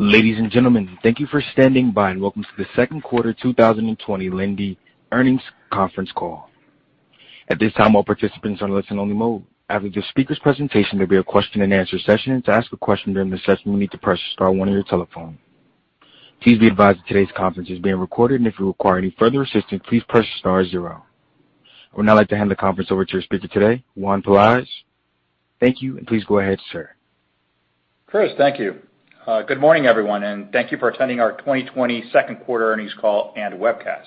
Ladies and gentlemen, thank you for standing by and welcome to the Second Quarter 2020 Linde Earnings Conference Call. At this time, all participants are in listen only mode. After the speaker's presentation, there'll be a question-and-answer session. To ask a question during the session, you'll need to press star one on your telephone. Please be advised that today's conference is being recorded and if you require any further assistance, please press star zero. I would now like to hand the conference over to our speaker today, Juan Pelaez. Thank you and please go ahead, Sir. Chris, thank you. Good morning, everyone. Thank you for attending our 2020 second quarter earnings call and webcast.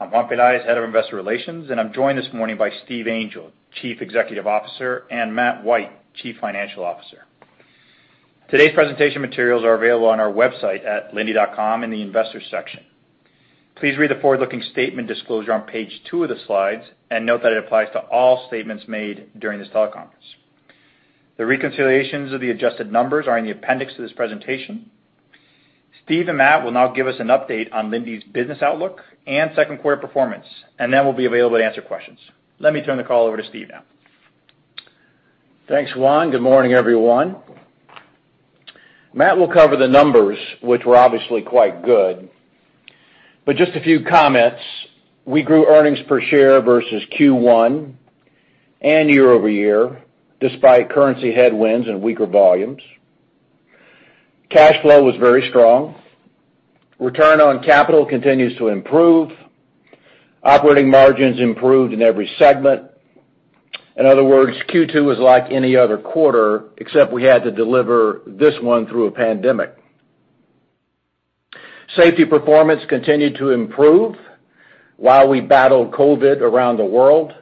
I'm Juan Pelaez, Head of Investor Relations, and I'm joined this morning by Steve Angel, Chief Executive Officer, and Matt White, Chief Financial Officer. Today's presentation materials are available on our website at linde.com in the investors section. Please read the forward-looking statement disclosure on page two of the slides and note that it applies to all statements made during this teleconference. The reconciliations of the adjusted numbers are in the appendix to this presentation. Steve and Matt will now give us an update on Linde's business outlook and second quarter performance, and then we'll be available to answer questions. Let me turn the call over to Steve now. Thanks, Juan. Good morning, everyone. Matt will cover the numbers, which were obviously quite good. Just a few comments. We grew earnings per share versus Q1 and year-over-year despite currency headwinds and weaker volumes. Cash flow was very strong. Return on capital continues to improve. Operating margins improved in every segment. In other words, Q2 was like any other quarter except we had to deliver this one through a pandemic. Safety performance continued to improve while we battled COVID around the world.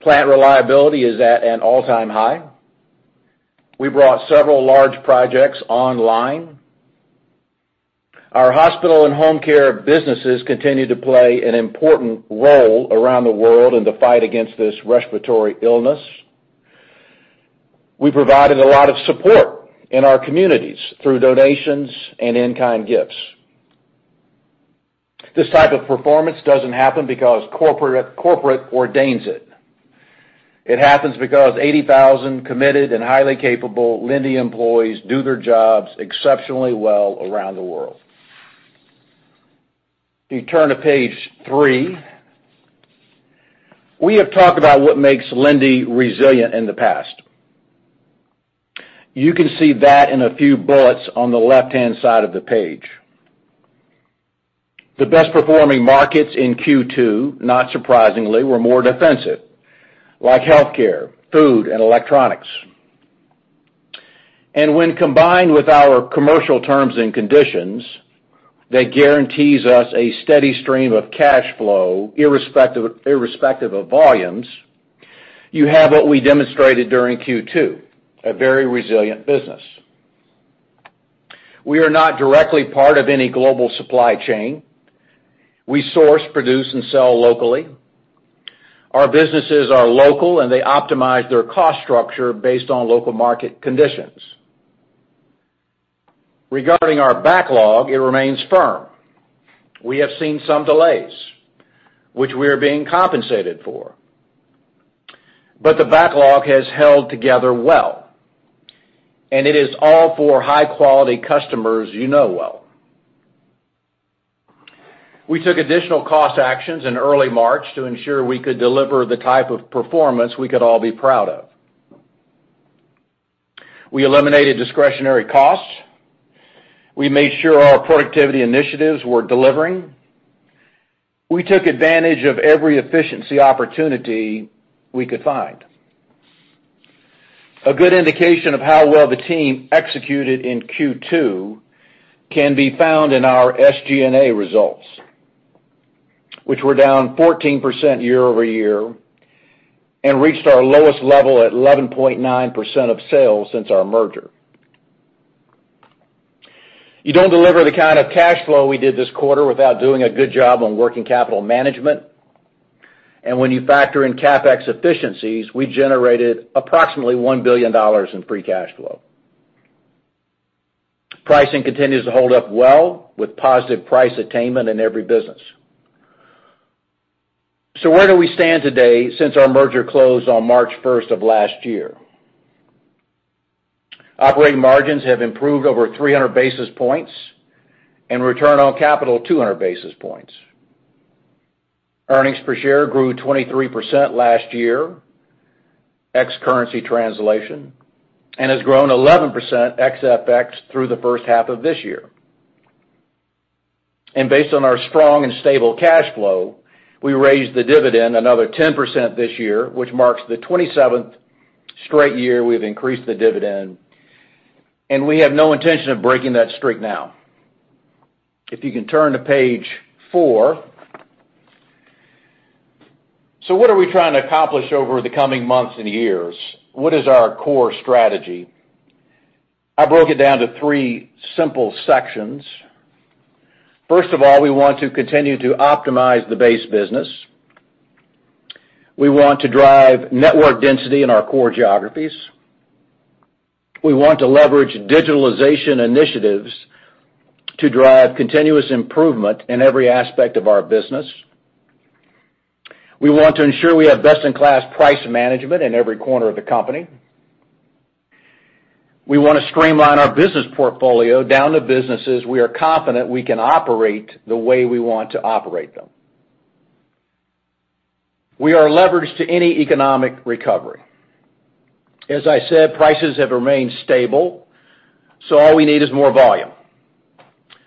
Plant reliability is at an all-time high. We brought several large projects online. Our hospital and home care businesses continue to play an important role around the world in the fight against this respiratory illness. We provided a lot of support in our communities through donations and in-kind gifts. This type of performance doesn't happen because corporate ordains it. It happens because 80,000 committed and highly capable Linde employees do their jobs exceptionally well around the world. If you turn to page three, we have talked about what makes Linde resilient in the past. You can see that in a few bullets on the left-hand side of the page. The best performing markets in Q2, not surprisingly, were more defensive, like healthcare, food and electronics. When combined with our commercial terms and conditions, that guarantees us a steady stream of cash flow irrespective of volumes, you have what we demonstrated during Q2, a very resilient business. We are not directly part of any global supply chain. We source, produce and sell locally. Our businesses are local and they optimize their cost structure based on local market conditions. Regarding our backlog, it remains firm. We have seen some delays which we are being compensated for. The backlog has held together well, and it is all for high quality customers you know well. We took additional cost actions in early March to ensure we could deliver the type of performance we could all be proud of. We eliminated discretionary costs. We made sure our productivity initiatives were delivering. We took advantage of every efficiency opportunity we could find. A good indication of how well the team executed in Q2 can be found in our SG&A results, which were down 14% year-over-year and reached our lowest level at 11.9% of sales since our merger. You don't deliver the kind of cash flow we did this quarter without doing a good job on working capital management, and when you factor in CapEx efficiencies, we generated approximately $1 billion in free cash flow. Pricing continues to hold up well with positive price attainment in every business. Where do we stand today since our merger closed on March 1st of last year? Operating margins have improved over 300 basis points and return on capital 200 basis points. Earnings per share grew 23% last year ex currency translation and has grown 11% ex FX through the first half of this year. Based on our strong and stable cash flow, we raised the dividend another 10% this year which marks the 27th straight year we've increased the dividend and we have no intention of breaking that streak now. If you can turn to page four. What are we trying to accomplish over the coming months and years? What is our core strategy? I broke it down to three simple sections. First of all, we want to continue to optimize the base business. We want to drive network density in our core geographies. We want to leverage digitalization initiatives to drive continuous improvement in every aspect of our business. We want to ensure we have best-in-class price management in every corner of the company. We want to streamline our business portfolio down to businesses we are confident we can operate the way we want to operate them. We are leveraged to any economic recovery. As I said, prices have remained stable, all we need is more volume.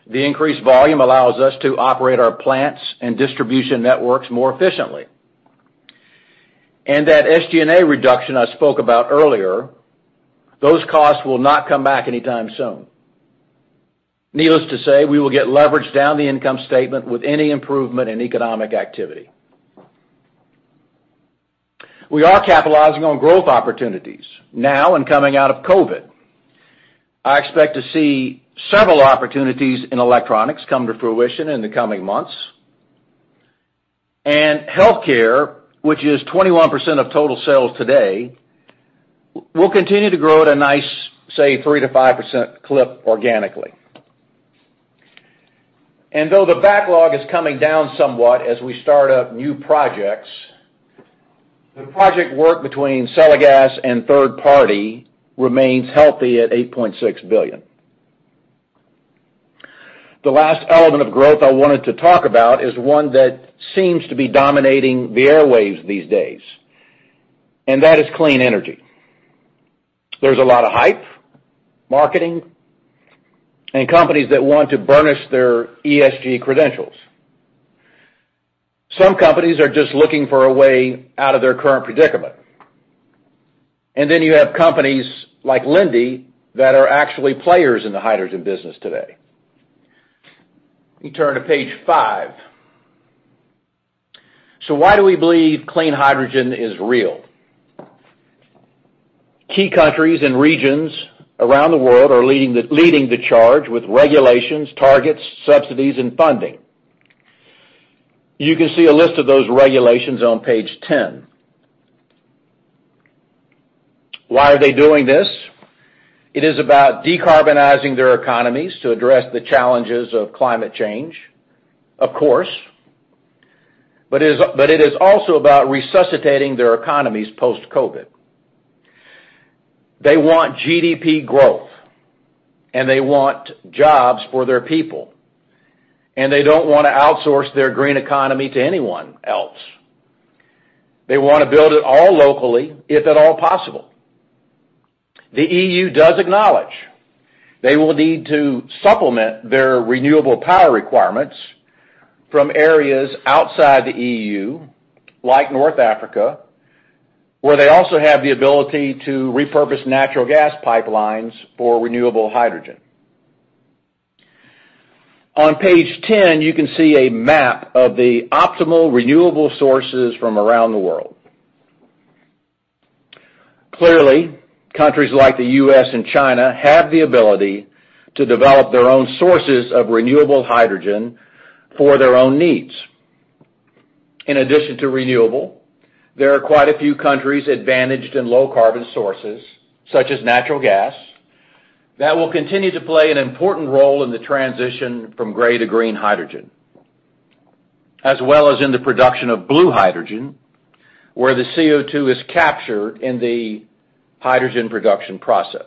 The increased volume allows us to operate our plants and distribution networks more efficiently. That SG&A reduction I spoke about earlier, those costs will not come back anytime soon. Needless to say, we will get leveraged down the income statement with any improvement in economic activity. We are capitalizing on growth opportunities now and coming out of COVID. I expect to see several opportunities in electronics come to fruition in the coming months. Healthcare, which is 21% of total sales today, will continue to grow at a nice, say, 3%-5% clip organically. Though the backlog is coming down somewhat as we start up new projects, the project work between sale of gas and third party remains healthy at $8.6 billion. The last element of growth I wanted to talk about is one that seems to be dominating the airwaves these days, and that is clean energy. There's a lot of hype, marketing, and companies that want to burnish their ESG credentials. Some companies are just looking for a way out of their current predicament. You have companies like Linde that are actually players in the hydrogen business today. Let me turn to page five. Why do we believe clean hydrogen is real? Key countries and regions around the world are leading the charge with regulations, targets, subsidies, and funding. You can see a list of those regulations on page 10. Why are they doing this? It is about decarbonizing their economies to address the challenges of climate change, of course. It is also about resuscitating their economies post-COVID. They want GDP growth, and they want jobs for their people, and they don't want to outsource their green economy to anyone else. They want to build it all locally, if at all possible. The E.U. does acknowledge they will need to supplement their renewable power requirements from areas outside the E.U., like North Africa, where they also have the ability to repurpose natural gas pipelines for renewable hydrogen. On page 10, you can see a map of the optimal renewable sources from around the world. Clearly, countries like the U.S. and China have the ability to develop their own sources of renewable hydrogen for their own needs. In addition to renewable, there are quite a few countries advantaged in low-carbon sources, such as natural gas, that will continue to play an important role in the transition from gray to clean hydrogen, as well as in the production of blue hydrogen, where the CO2 is captured in the hydrogen production process.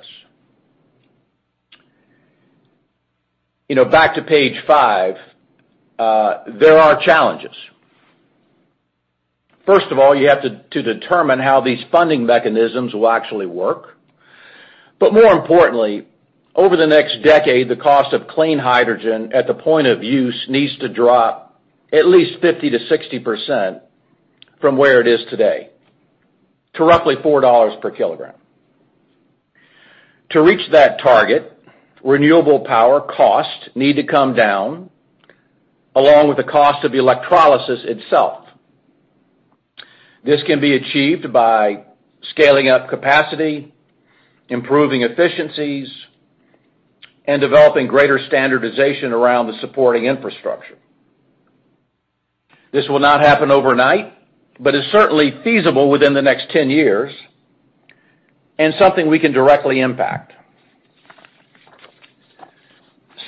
Back to page five, there are challenges. First of all, you have to determine how these funding mechanisms will actually work. More importantly, over the next decade, the cost of clean hydrogen at the point of use needs to drop at least 50%-60% from where it is today to roughly $4 per kilogram. To reach that target, renewable power costs need to come down, along with the cost of electrolysis itself. This can be achieved by scaling up capacity, improving efficiencies, and developing greater standardization around the supporting infrastructure. This will not happen overnight, but is certainly feasible within the next 10 years and something we can directly impact.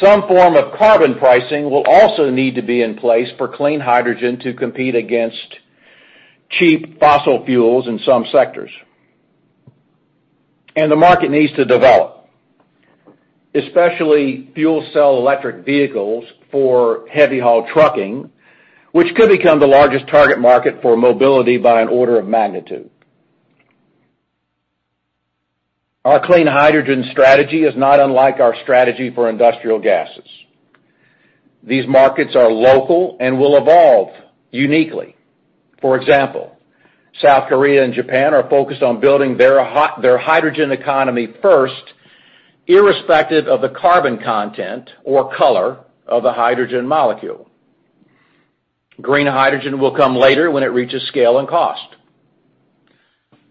Some form of carbon pricing will also need to be in place for clean hydrogen to compete against cheap fossil fuels in some sectors. The market needs to develop, especially fuel cell electric vehicles for heavy-haul trucking, which could become the largest target market for mobility by an order of magnitude. Our clean hydrogen strategy is not unlike our strategy for industrial gases. These markets are local and will evolve uniquely. For example, South Korea and Japan are focused on building their hydrogen economy first, irrespective of the carbon content or color of the hydrogen molecule. Green hydrogen will come later when it reaches scale and cost.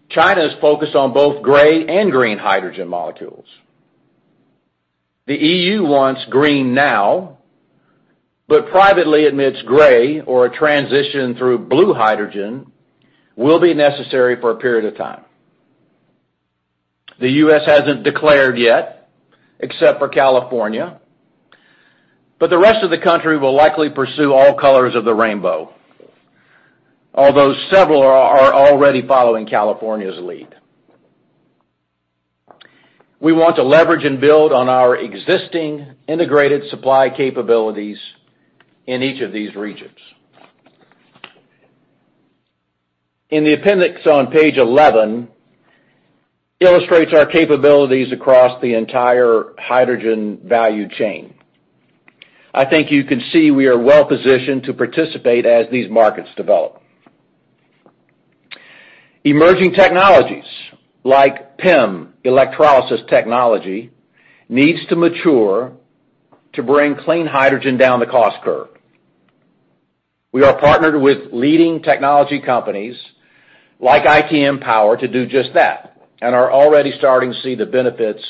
China is focused on both gray hydrogen and clean hydrogen molecules. The E.U. wants green now but privately admits gray or a transition through blue hydrogen will be necessary for a period of time. The U.S. hasn't declared yet, except for California, but the rest of the country will likely pursue all colors of the rainbow. Although several are already following California's lead. We want to leverage and build on our existing integrated supply capabilities in each of these regions. In the appendix on page 11, illustrates our capabilities across the entire hydrogen value chain. I think you can see we are well-positioned to participate as these markets develop. Emerging technologies like PEM electrolysis technology needs to mature to bring clean hydrogen down the cost curve. We are partnered with leading technology companies like ITM Power to do just that and are already starting to see the benefits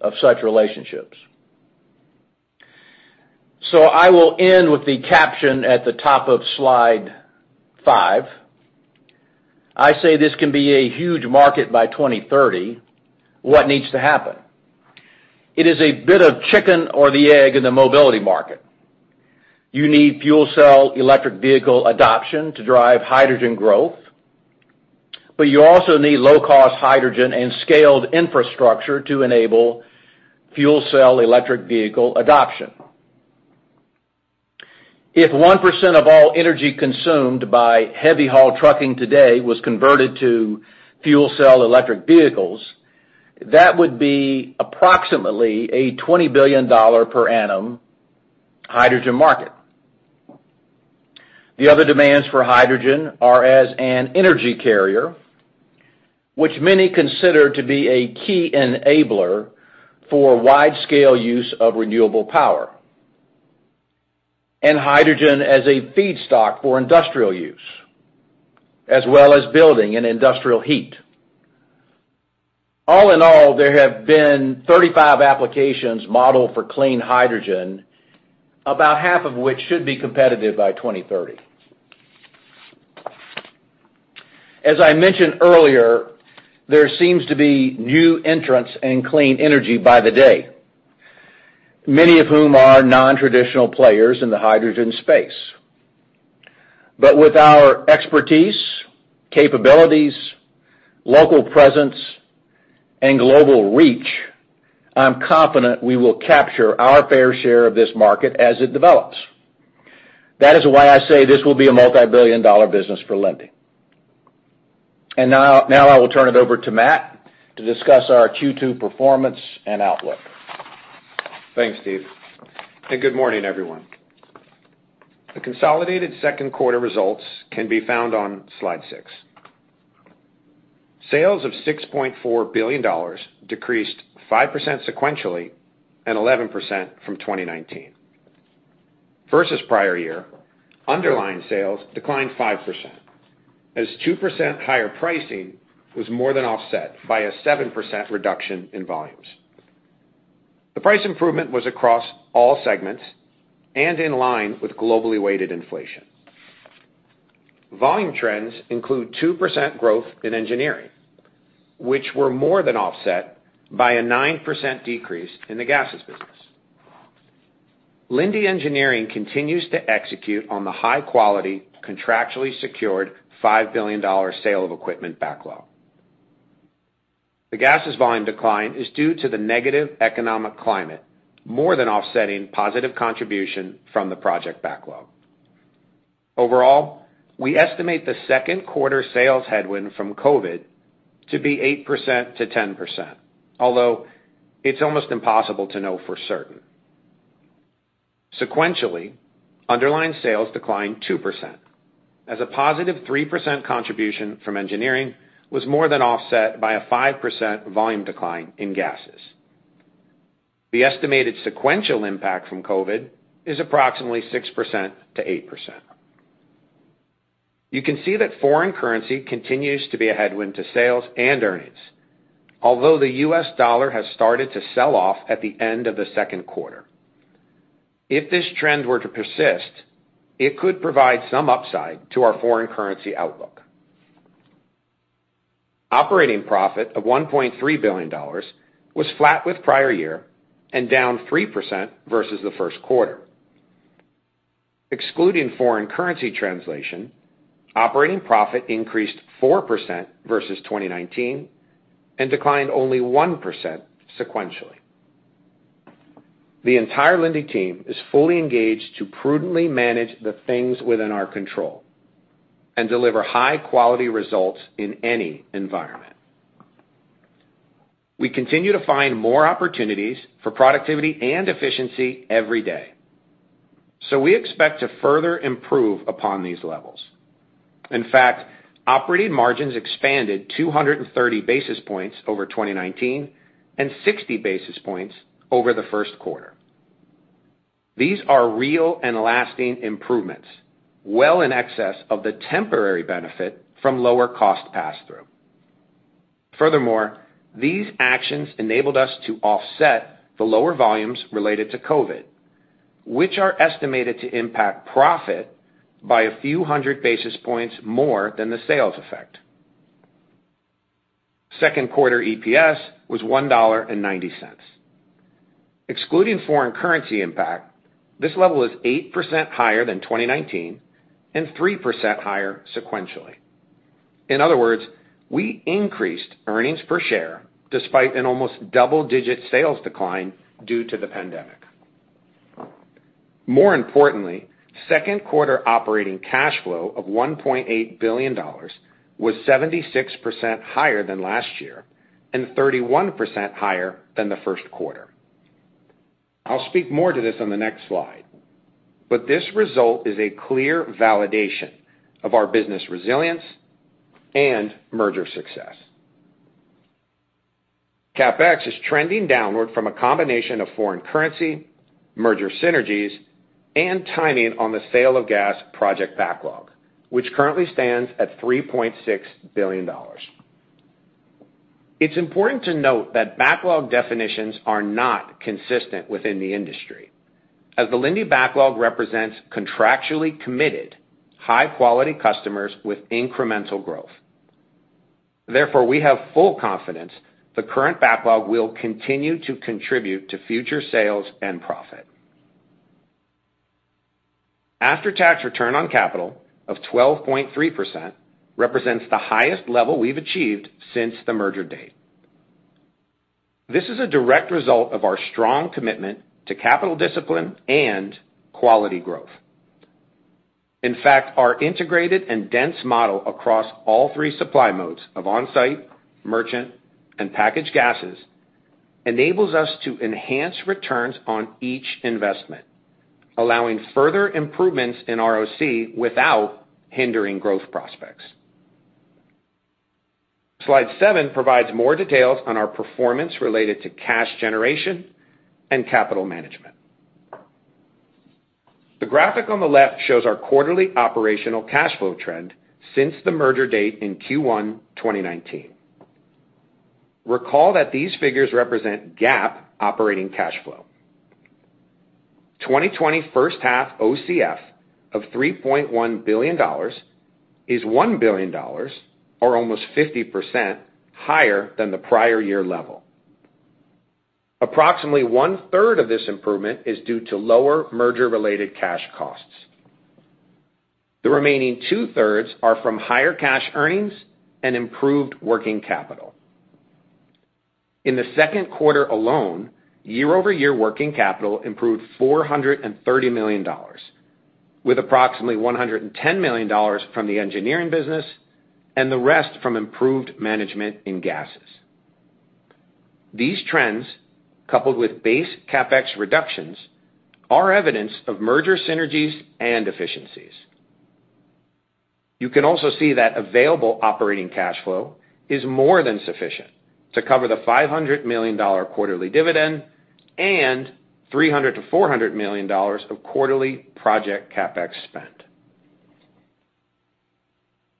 of such relationships. I will end with the caption at the top of slide five. I say this can be a huge market by 2030. What needs to happen? It is a bit of chicken or the egg in the mobility market. You need fuel cell electric vehicles adoption to drive hydrogen growth, but you also need low-cost hydrogen and scaled infrastructure to enable fuel cell electric vehicles adoption. If 1% of all energy consumed by heavy haul trucking today was converted to fuel cell electric vehicles, that would be approximately a $20 billion per annum hydrogen market. The other demands for hydrogen are as an energy carrier, which many consider to be a key enabler for wide-scale use of renewable power. Hydrogen as a feedstock for industrial use, as well as building and industrial heat. All in all, there have been 35 applications modeled for clean hydrogen, about 1/2 of which should be competitive by 2030. As I mentioned earlier, there seems to be new entrants in clean energy by the day, many of whom are non-traditional players in the hydrogen space. With our expertise, capabilities, local presence, and global reach, I'm confident we will capture our fair share of this market as it develops. That is why I say this will be a multibillion-dollar business for Linde. Now I will turn it over to Matt to discuss our Q2 performance and outlook. Thanks, Steve. Good morning, everyone. The consolidated second quarter results can be found on slide six. Sales of $6.4 billion decreased 5% sequentially and 11% from 2019. Versus prior year, underlying sales declined 5%, as 2% higher pricing was more than offset by a 7% reduction in volumes. The price improvement was across all segments and in line with globally weighted inflation. Volume trends include 2% growth in engineering, which were more than offset by a 9% decrease in the gases business. Linde Engineering continues to execute on the high-quality, contractually secured $5 billion sale of equipment backlog. The gases volume decline is due to the negative economic climate, more than offsetting positive contribution from the project backlog. Overall, we estimate the second quarter sales headwind from COVID to be 8%-10%, although it's almost impossible to know for certain. Sequentially, underlying sales declined 2%, as a +3% contribution from Engineering was more than offset by a 5% volume decline in gases. The estimated sequential impact from COVID is approximately 6%-8%. You can see that foreign currency continues to be a headwind to sales and earnings. Although the U.S. dollar has started to sell off at the end of the second quarter. If this trend were to persist, it could provide some upside to our foreign currency outlook. Operating profit of $1.3 billion was flat with prior year and down 3% versus the first quarter. Excluding foreign currency translation, operating profit increased 4% versus 2019 and declined only 1% sequentially. The entire Linde team is fully engaged to prudently manage the things within our control and deliver high-quality results in any environment. We continue to find more opportunities for productivity and efficiency every day. We expect to further improve upon these levels. In fact, operating margins expanded 230 basis points over 2019 and 60 basis points over the first quarter. These are real and lasting improvements, well in excess of the temporary benefit from lower cost pass-through. Furthermore, these actions enabled us to offset the lower volumes related to COVID, which are estimated to impact profit by a few hundred basis points more than the sales effect. Second quarter EPS was $1.90. Excluding foreign currency impact, this level is 8% higher than 2019 and 3% higher sequentially. In other words, we increased earnings per share despite an almost double-digit sales decline due to the pandemic. More importantly, second quarter operating cash flow of $1.8 billion was 76% higher than last year and 31% higher than the first quarter. I'll speak more to this on the next slide. This result is a clear validation of our business resilience and merger success. CapEx is trending downward from a combination of foreign currency, merger synergies, and timing on the sale of gas project backlog, which currently stands at $3.6 billion. It's important to note that backlog definitions are not consistent within the industry, as the Linde backlog represents contractually committed, high-quality customers with incremental growth. We have full confidence the current backlog will continue to contribute to future sales and profit. After-tax return on capital of 12.3% represents the highest level we've achieved since the merger date. This is a direct result of our strong commitment to capital discipline and quality growth. In fact, our integrated and dense model across all three supply modes of on-site, merchant, and packaged gases enables us to enhance returns on each investment, allowing further improvements in ROC without hindering growth prospects. Slide seven provides more details on our performance related to cash generation and capital management. The graphic on the left shows our quarterly operational cash flow trend since the merger date in Q1 2019. Recall that these figures represent GAAP operating cash flow. 2020 first half OCF of $3.1 billion is $1 billion, or almost 50%, higher than the prior year level. Approximately 1/3 of this improvement is due to lower merger-related cash costs. The remaining 2/3 are from higher cash earnings and improved working capital. In the second quarter alone, year-over-year working capital improved $430 million, with approximately $110 million from the engineering business and the rest from improved management in gases. These trends, coupled with base CapEx reductions, are evidence of merger synergies and efficiencies. You can also see that available operating cash flow is more than sufficient to cover the $500 million quarterly dividend and $300 million-$400 million of quarterly project CapEx spend.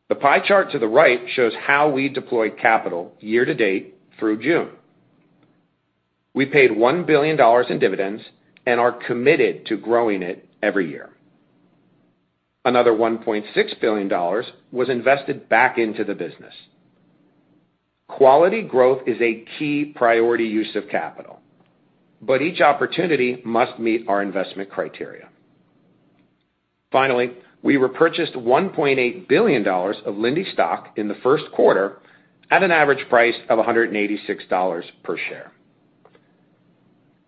The pie chart to the right shows how we deployed capital year-to-date through June. We paid $1 billion in dividends and are committed to growing it every year. Another $1.6 billion was invested back into the business. Quality growth is a key priority use of capital, each opportunity must meet our investment criteria. Finally, we repurchased $1.8 billion of Linde stock in the first quarter at an average price of $186 per share.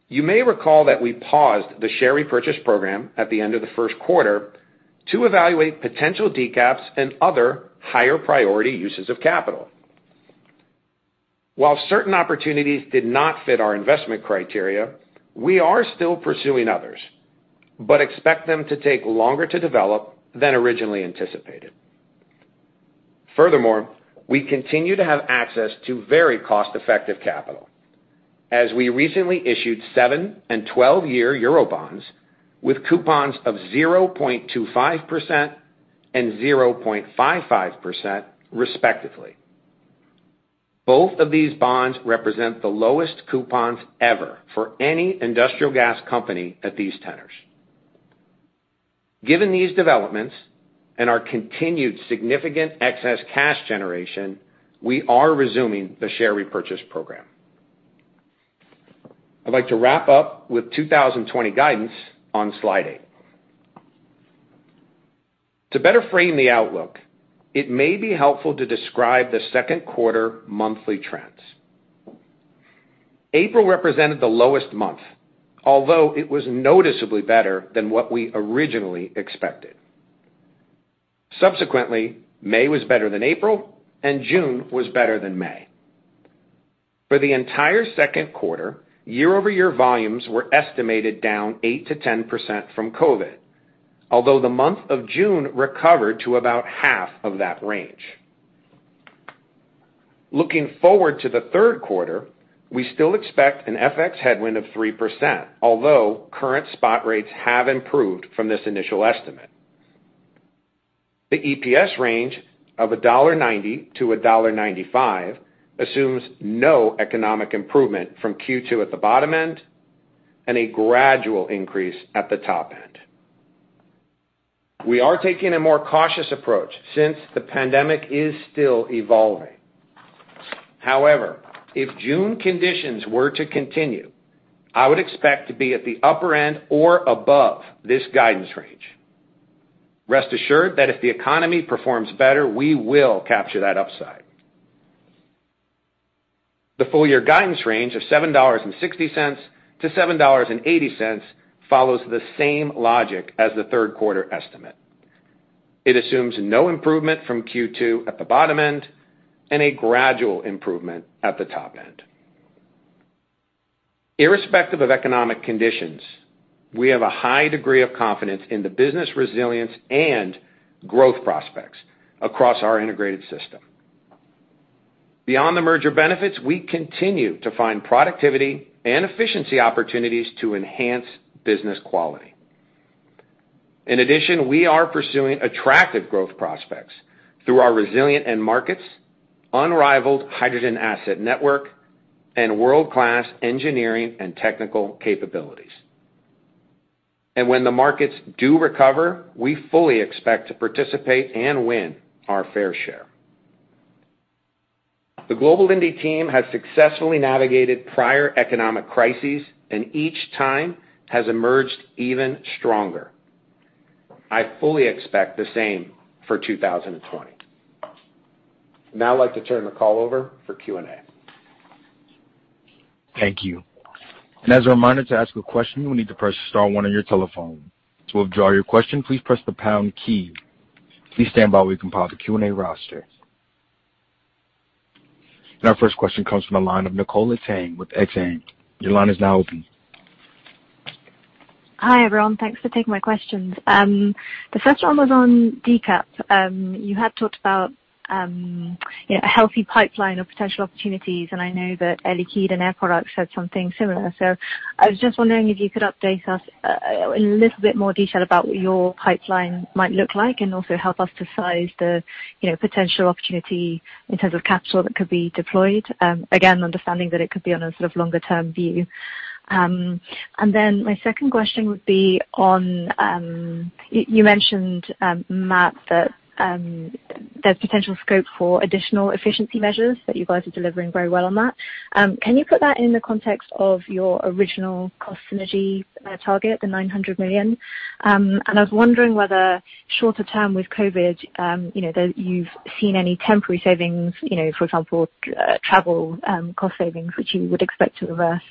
You may recall that we paused the share repurchase program at the end of the first quarter to evaluate potential DCAPs and other higher priority uses of capital. While certain opportunities did not fit our investment criteria, we are still pursuing others but expect them to take longer to develop than originally anticipated. Furthermore, we continue to have access to very cost-effective capital, as we recently issued seven and 12-year eurobonds with coupons of 0.25% and 0.55%, respectively. Both of these bonds represent the lowest coupons ever for any industrial gas company at these tenors. Given these developments and our continued significant excess cash generation, we are resuming the share repurchase program. I'd like to wrap up with 2020 guidance on slide eight. To better frame the outlook, it may be helpful to describe the second quarter monthly trends. April represented the lowest month, although it was noticeably better than what we originally expected. Subsequently, May was better than April, and June was better than May. For the entire second quarter, year-over-year volumes were estimated down 8%-10% from COVID. Although the month of June recovered to about 1/2 of that range. Looking forward to the third quarter, we still expect an FX headwind of 3%, although current spot rates have improved from this initial estimate. The EPS range of $1.90-$1.95 assumes no economic improvement from Q2 at the bottom end and a gradual increase at the top end. We are taking a more cautious approach since the pandemic is still evolving. However, if June conditions were to continue, I would expect to be at the upper end or above this guidance range. Rest assured that if the economy performs better, we will capture that upside. The full-year guidance range of $7.60-$7.80 follows the same logic as the third quarter estimate. It assumes no improvement from Q2 at the bottom end and a gradual improvement at the top end. Irrespective of economic conditions, we have a high degree of confidence in the business resilience and growth prospects across our integrated system. Beyond the merger benefits, we continue to find productivity and efficiency opportunities to enhance business quality. In addition, we are pursuing attractive growth prospects through our resilient end markets, unrivaled hydrogen asset network, and world-class engineering and technical capabilities. When the markets do recover, we fully expect to participate and win our fair share. The Global Linde team has successfully navigated prior economic crises, and each time has emerged even stronger. I fully expect the same for 2020. Now I'd like to turn the call over for Q&A. Thank you. As a reminder, to ask a question, you will need to press star one on your telephone. To withdraw your question, please press the pound key. Please stand by while we compile the Q&A roster. Our first question comes from the line of Nicola Tang with Exane. Your line is now open. Hi, everyone. Thanks for taking my questions. The first one was on DCAP. You had talked about a healthy pipeline of potential opportunities, and I know that Air Liquide and Air Products said something similar. I was just wondering if you could update us in a little bit more detail about what your pipeline might look like, and also help us to size the potential opportunity in terms of capital that could be deployed, again, understanding that it could be on a sort of longer-term view. My second question would be on, you mentioned, Matt, that there's potential scope for additional efficiency measures that you guys are delivering very well on that. Can you put that in the context of your original cost synergy target, the $900 million? I was wondering whether shorter term with COVID, you've seen any temporary savings, for example, travel cost savings, which you would expect to reverse?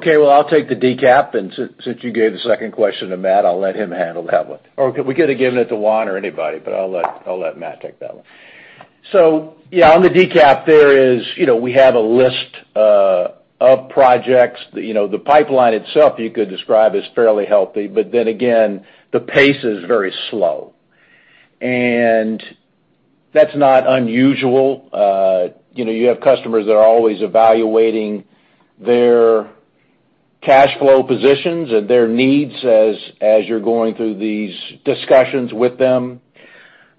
Well, I'll take the DCAP. Since you gave the second question to Matt, I'll let him handle that one. We could have given it to Juan or anybody. I'll let Matt take that one. Yeah, on the DCAP, we have a list of projects. The pipeline itself you could describe as fairly healthy. Again, the pace is very slow. That's not unusual. You have customers that are always evaluating their cash flow positions and their needs as you're going through these discussions with them.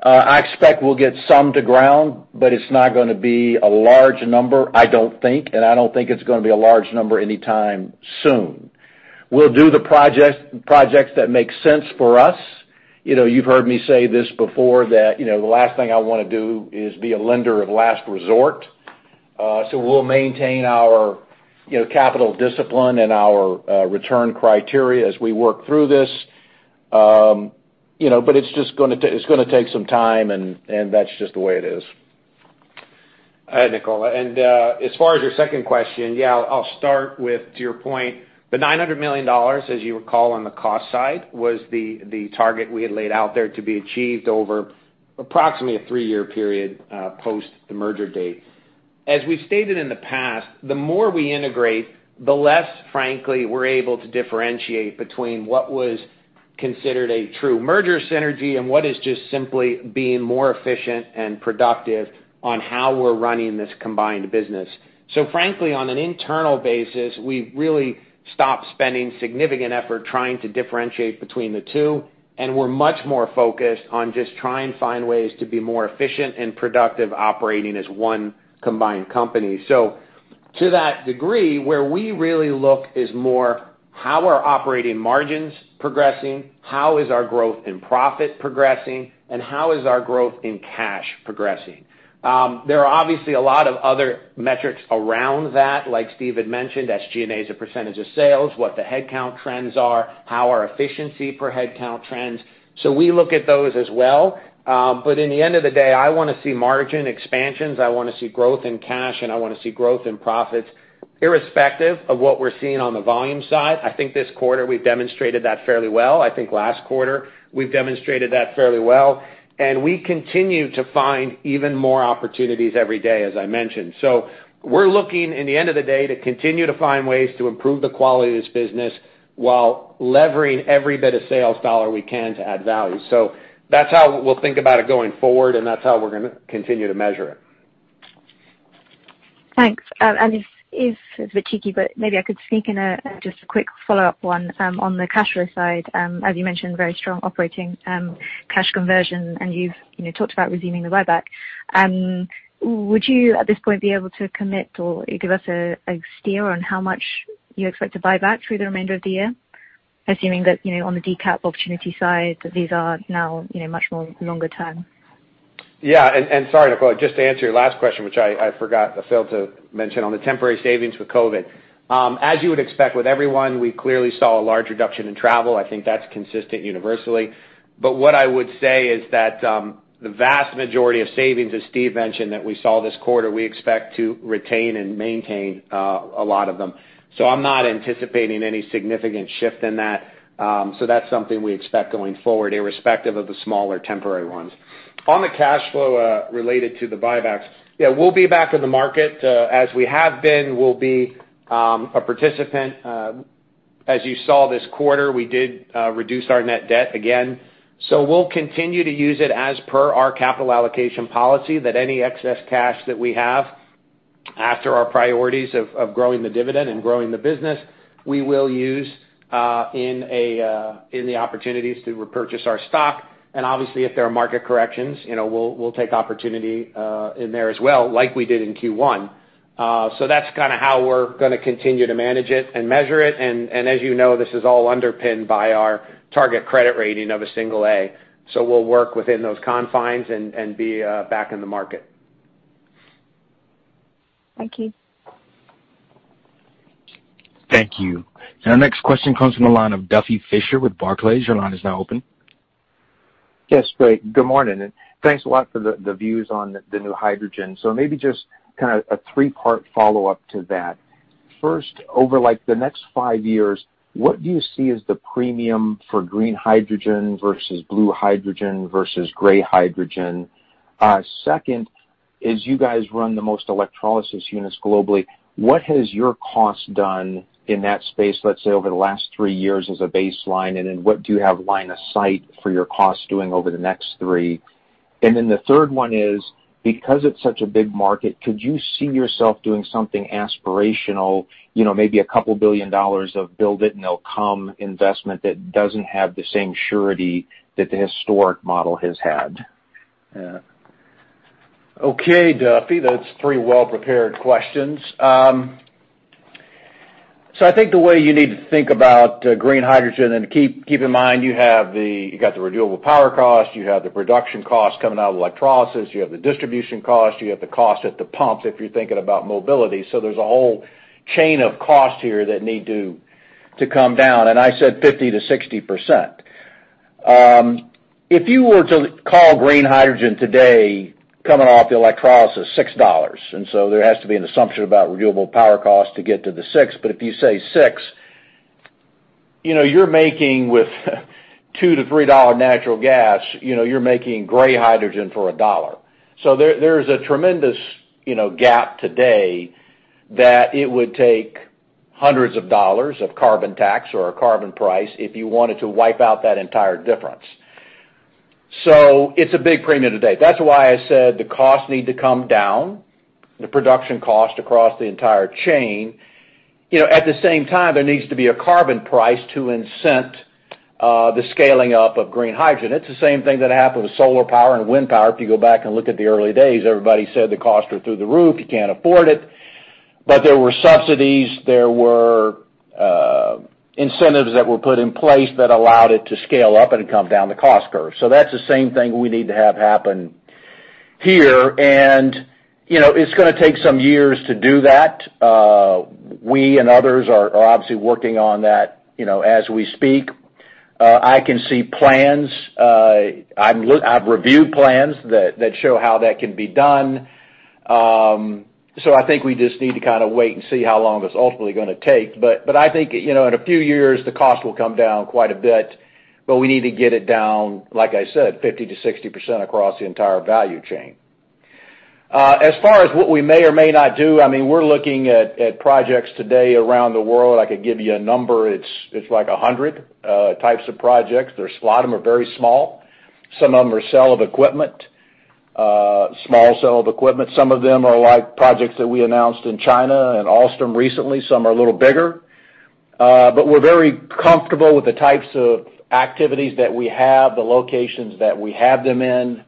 I expect we'll get some to ground. It's not going to be a large number, I don't think. I don't think it's going to be a large number anytime soon. We'll do the projects that make sense for us. You've heard me say this before, that the last thing I want to do is be a lender of last resort. We'll maintain our capital discipline and our return criteria as we work through this. It's going to take some time, and that's just the way it is. Hi, Nicola. As far as your second question, yeah, I'll start with, to your point, the $900 million, as you recall on the cost side, was the target we had laid out there to be achieved over approximately a three-year period post the merger date. As we've stated in the past, the more we integrate, the less, frankly, we're able to differentiate between what was considered a true merger synergy and what is just simply being more efficient and productive on how we're running this combined business. Frankly, on an internal basis, we've really stopped spending significant effort trying to differentiate between the two, and we're much more focused on just trying to find ways to be more efficient and productive operating as one combined company. To that degree, where we really look is more how are operating margins progressing, how is our growth in profit progressing, and how is our growth in cash progressing? There are obviously a lot of other metrics around that, like Steve had mentioned, SG&A as a percentage of sales, what the headcount trends are, how our efficiency per headcount trends. We look at those as well. In the end of the day, I want to see margin expansions, I want to see growth in cash, and I want to see growth in profits irrespective of what we're seeing on the volume side. I think this quarter we've demonstrated that fairly well. I think last quarter we've demonstrated that fairly well. We continue to find even more opportunities every day, as I mentioned. We're looking in the end of the day to continue to find ways to improve the quality of this business while levering every bit of sales dollar we can to add value. That's how we'll think about it going forward, and that's how we're going to continue to measure it. Thanks. This is a bit cheeky, but maybe I could sneak in just a quick follow-up one on the cash flow side. As you mentioned, very strong operating cash conversion. You've talked about resuming the buyback. Would you, at this point, be able to commit or give us a steer on how much you expect to buy back through the remainder of the year, assuming that on the DCAP opportunity side, that these are now much more longer term? Yeah. Sorry, Nicola, just to answer your last question, which I forgot or failed to mention on the temporary savings with COVID. As you would expect with everyone, we clearly saw a large reduction in travel. I think that's consistent universally. What I would say is that the vast majority of savings, as Steve mentioned, that we saw this quarter, we expect to retain and maintain a lot of them. I'm not anticipating any significant shift in that. That's something we expect going forward, irrespective of the smaller temporary ones. On the cash flow related to the buybacks, yeah, we'll be back in the market. As we have been, we'll be a participant. As you saw this quarter, we did reduce our net debt again. We'll continue to use it as per our capital allocation policy that any excess cash that we have after our priorities of growing the dividend and growing the business, we will use in the opportunities to repurchase our stock. Obviously, if there are market corrections, we'll take opportunity in there as well, like we did in Q1. That's kind of how we're going to continue to manage it and measure it. As you know, this is all underpinned by our target credit rating of a single A. We'll work within those confines and be back in the market. Thank you. Thank you. Our next question comes from the line of Duffy Fischer with Barclays. Your line is now open. Yes, great. Good morning, and thanks a lot for the views on the clean hydrogen. Maybe just kind of a three-part follow-up to that. First, over the next five years, what do you see as the premium for clean hydrogen versus blue hydrogen versus gray hydrogen? Second is you guys run the most electrolysis units globally. What has your cost done in that space, let's say over the last three years as a baseline? What do you have line of sight for your cost doing over the next three? The third one is, because it's such a big market, could you see yourself doing something aspirational, maybe a couple billion dollars of build it and they'll come investment that doesn't have the same surety that the historic model has had? Okay. Duffy, that's three well-prepared questions. I think the way you need to think about clean hydrogen and keep in mind, you got the renewable power cost, you have the production cost coming out of electrolysis, you have the distribution cost, you have the cost at the pump if you're thinking about mobility. There's a whole chain of costs here that need to come down, and I said 50%-60%. If you were to call clean hydrogen today coming off the electrolysis, $6. There has to be an assumption about renewable power cost to get to the $6. If you say $6, you're making with $2-$3 natural gas, you're making gray hydrogen for $1. There is a tremendous gap today that it would take hundreds of dollars of carbon tax or a carbon price if you wanted to wipe out that entire difference. It's a big premium today. That's why I said the costs need to come down, the production cost across the entire chain. At the same time, there needs to be a carbon price to incent the scaling up of clean hydrogen. It's the same thing that happened with solar power and wind power. If you go back and look at the early days, everybody said the costs are through the roof. You can't afford it. There were subsidies. There were incentives that were put in place that allowed it to scale up and come down the cost curve. That's the same thing we need to have happen here, and it's going to take some years to do that. We and others are obviously working on that as we speak. I can see plans. I've reviewed plans that show how that can be done. I think we just need to kind of wait and see how long it's ultimately going to take. I think in a few years, the cost will come down quite a bit, but we need to get it down, like I said, 50%-60% across the entire value chain. As far as what we may or may not do, we're looking at projects today around the world. I could give you a number. It's like 100 types of projects. A lot of them are very small. Some of them are Sale of Equipment, small Sale of Equipment. Some of them are projects that we announced in China and Alstom recently. Some are a little bigger. We're very comfortable with the types of activities that we have, the locations that we have them in.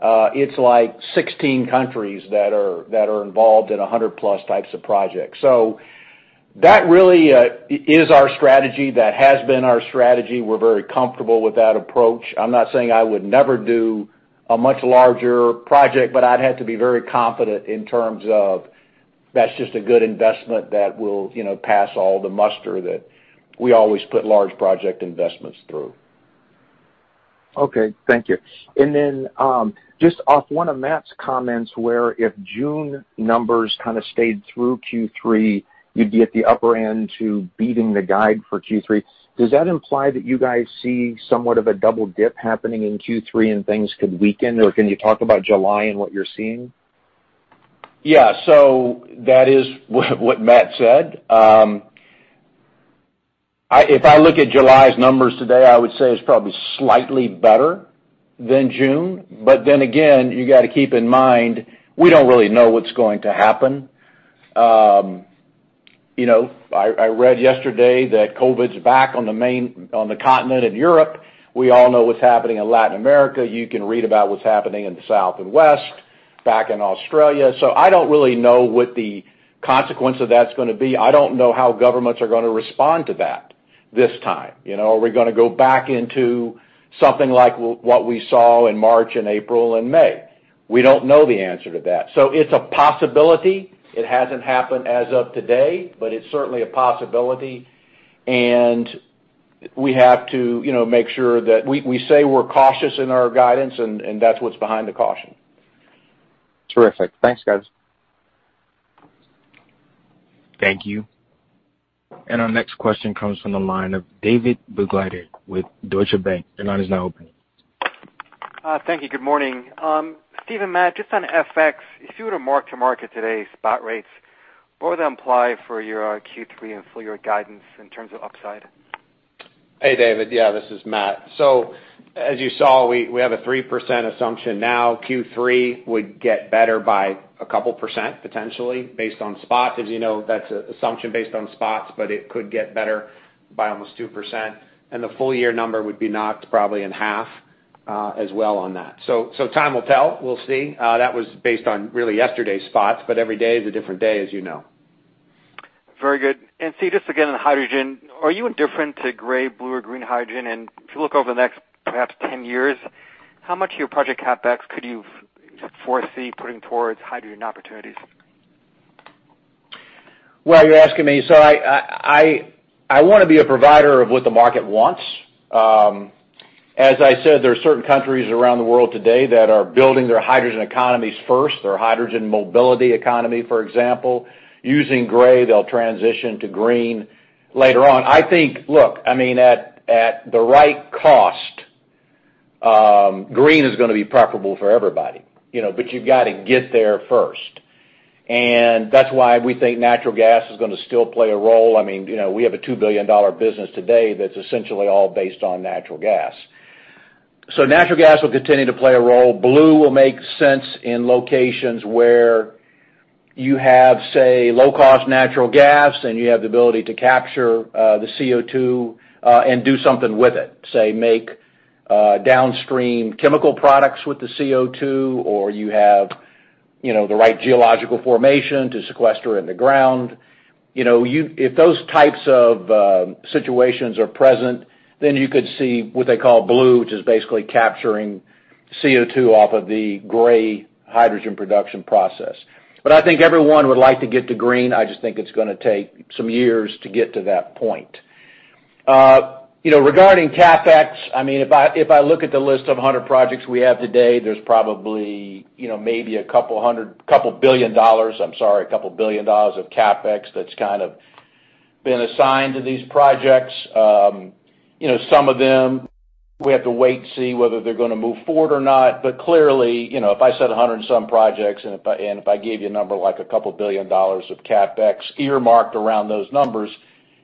It's like 16 countries that are involved in 100+ types of projects. That really is our strategy. That has been our strategy. We're very comfortable with that approach. I'm not saying I would never do a much larger project, but I'd have to be very confident in terms of that's just a good investment that will pass all the muster that we always put large project investments through. Okay. Thank you. Then just off one of Matt's comments where if June numbers kind of stayed through Q3, you'd be at the upper end to beating the guide for Q3. Does that imply that you guys see somewhat of a double dip happening in Q3 and things could weaken, or can you talk about July and what you're seeing? Yeah. That is what Matt said. If I look at July's numbers today, I would say it's probably slightly better than June. You got to keep in mind; we don't really know what's going to happen. I read yesterday that COVID's back on the continent in Europe. We all know what's happening in Latin America. You can read about what's happening in the South and West, back in Australia. I don't really know what the consequence of that's going to be. I don't know how governments are going to respond to that this time. Are we going to go back into something like what we saw in March and April and May? We don't know the answer to that. It's a possibility. It hasn't happened as of today, but it's certainly a possibility, and we have to make sure we say we're cautious in our guidance, and that's what's behind the caution. Terrific. Thanks, guys. Thank you. Our next question comes from the line of David Begleiter with Deutsche Bank. Your line is now open. Thank you. Good morning. Steve and Matt, just on FX, if you were to mark to market today's spot rates, what would that imply for your Q3 and full-year guidance in terms of upside? Hey, David. Yeah, this is Matt. As you saw, we have a 3% assumption now. Q3 would get better by a couple percent, potentially based on spot. As you know, that's an assumption based on spots, but it could get better by almost 2%. The full year number would be knocked probably in 1/2, as well on that. Time will tell. We'll see. That was based on really yesterday's spots, but every day is a different day, as you know. Very good. Steve, just again, on hydrogen, are you indifferent to gray, blue or clean hydrogen? If you look over the next perhaps 10 years, how much of your project CapEx could you foresee putting towards hydrogen opportunities? Well, you're asking me. I want to be a provider of what the market wants. As I said, there are certain countries around the world today that are building their hydrogen economies first, their hydrogen mobility economy, for example. Using gray, they'll transition to green later on. I think, look, at the right cost, green is going to be preferable for everybody. You've got to get there first. That's why we think natural gas is going to still play a role. We have a $2 billion business today that's essentially all based on natural gas. Natural gas will continue to play a role. Blue will make sense in locations where you have, say, low-cost natural gas and you have the ability to capture the CO2, and do something with it. Make downstream chemical products with the CO2, or you have the right geological formation to sequester in the ground. If those types of situations are present, you could see what they call blue, which is basically capturing CO2 off of the gray hydrogen production process. I think everyone would like to get to green. I just think it's going to take some years to get to that point. Regarding CapEx, if I look at the list of 100 projects we have today, there's probably maybe a couple of billion dollars of CapEx that's been assigned to these projects. Some of them we have to wait and see whether they're going to move forward or not. Clearly, if I said 100 and some projects, and if I gave you a number like a couple of billion dollars of CapEx earmarked around those numbers,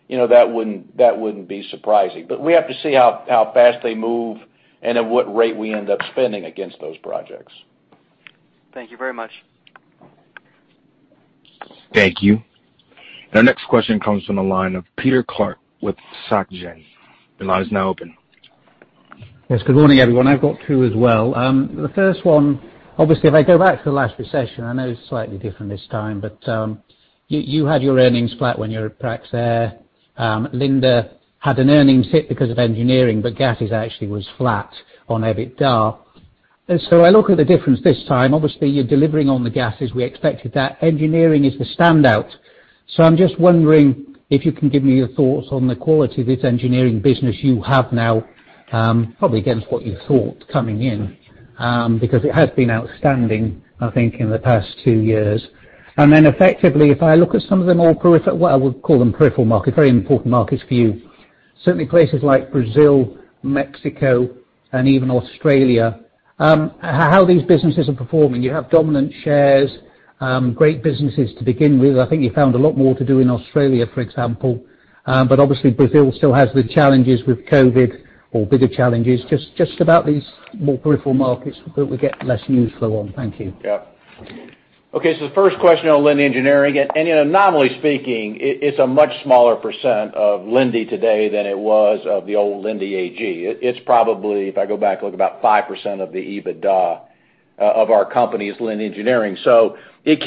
that wouldn't be surprising. We have to see how fast they move and at what rate we end up spending against those projects. Thank you very much. Thank you. Our next question comes from the line of Peter Clark with Societe Generale. Your line is now open. Yes. Good morning, everyone. I've got two as well. The first one, obviously, if I go back to the last recession, I know it's slightly different this time, but you had your earnings flat when you were at Praxair. Linde had an earnings hit because of engineering, but gases actually was flat on EBITDA. I look at the difference this time. Obviously, you're delivering on the gases. We expected that. Engineering is the standout. I'm just wondering if you can give me your thoughts on the quality of this engineering business you have now, probably against what you thought coming in. It has been outstanding, I think, in the past two years. Effectively, if I look at some of the more peripheral markets, very important markets for you. Certainly places like Brazil, Mexico, and even Australia. How these businesses are performing. You have dominant shares, great businesses to begin with. I think you found a lot more to do in Australia, for example. Obviously Brazil still has the challenges with COVID or bigger challenges. Just about these more peripheral markets that we get less news flow on. Thank you. Okay, so the first question on Linde Engineering, and nominally speaking, it's a much smaller percent of Linde today than it was of the old Linde AG. It's probably, if I go back, look about 5% of the EBITDA of our company is Linde Engineering. It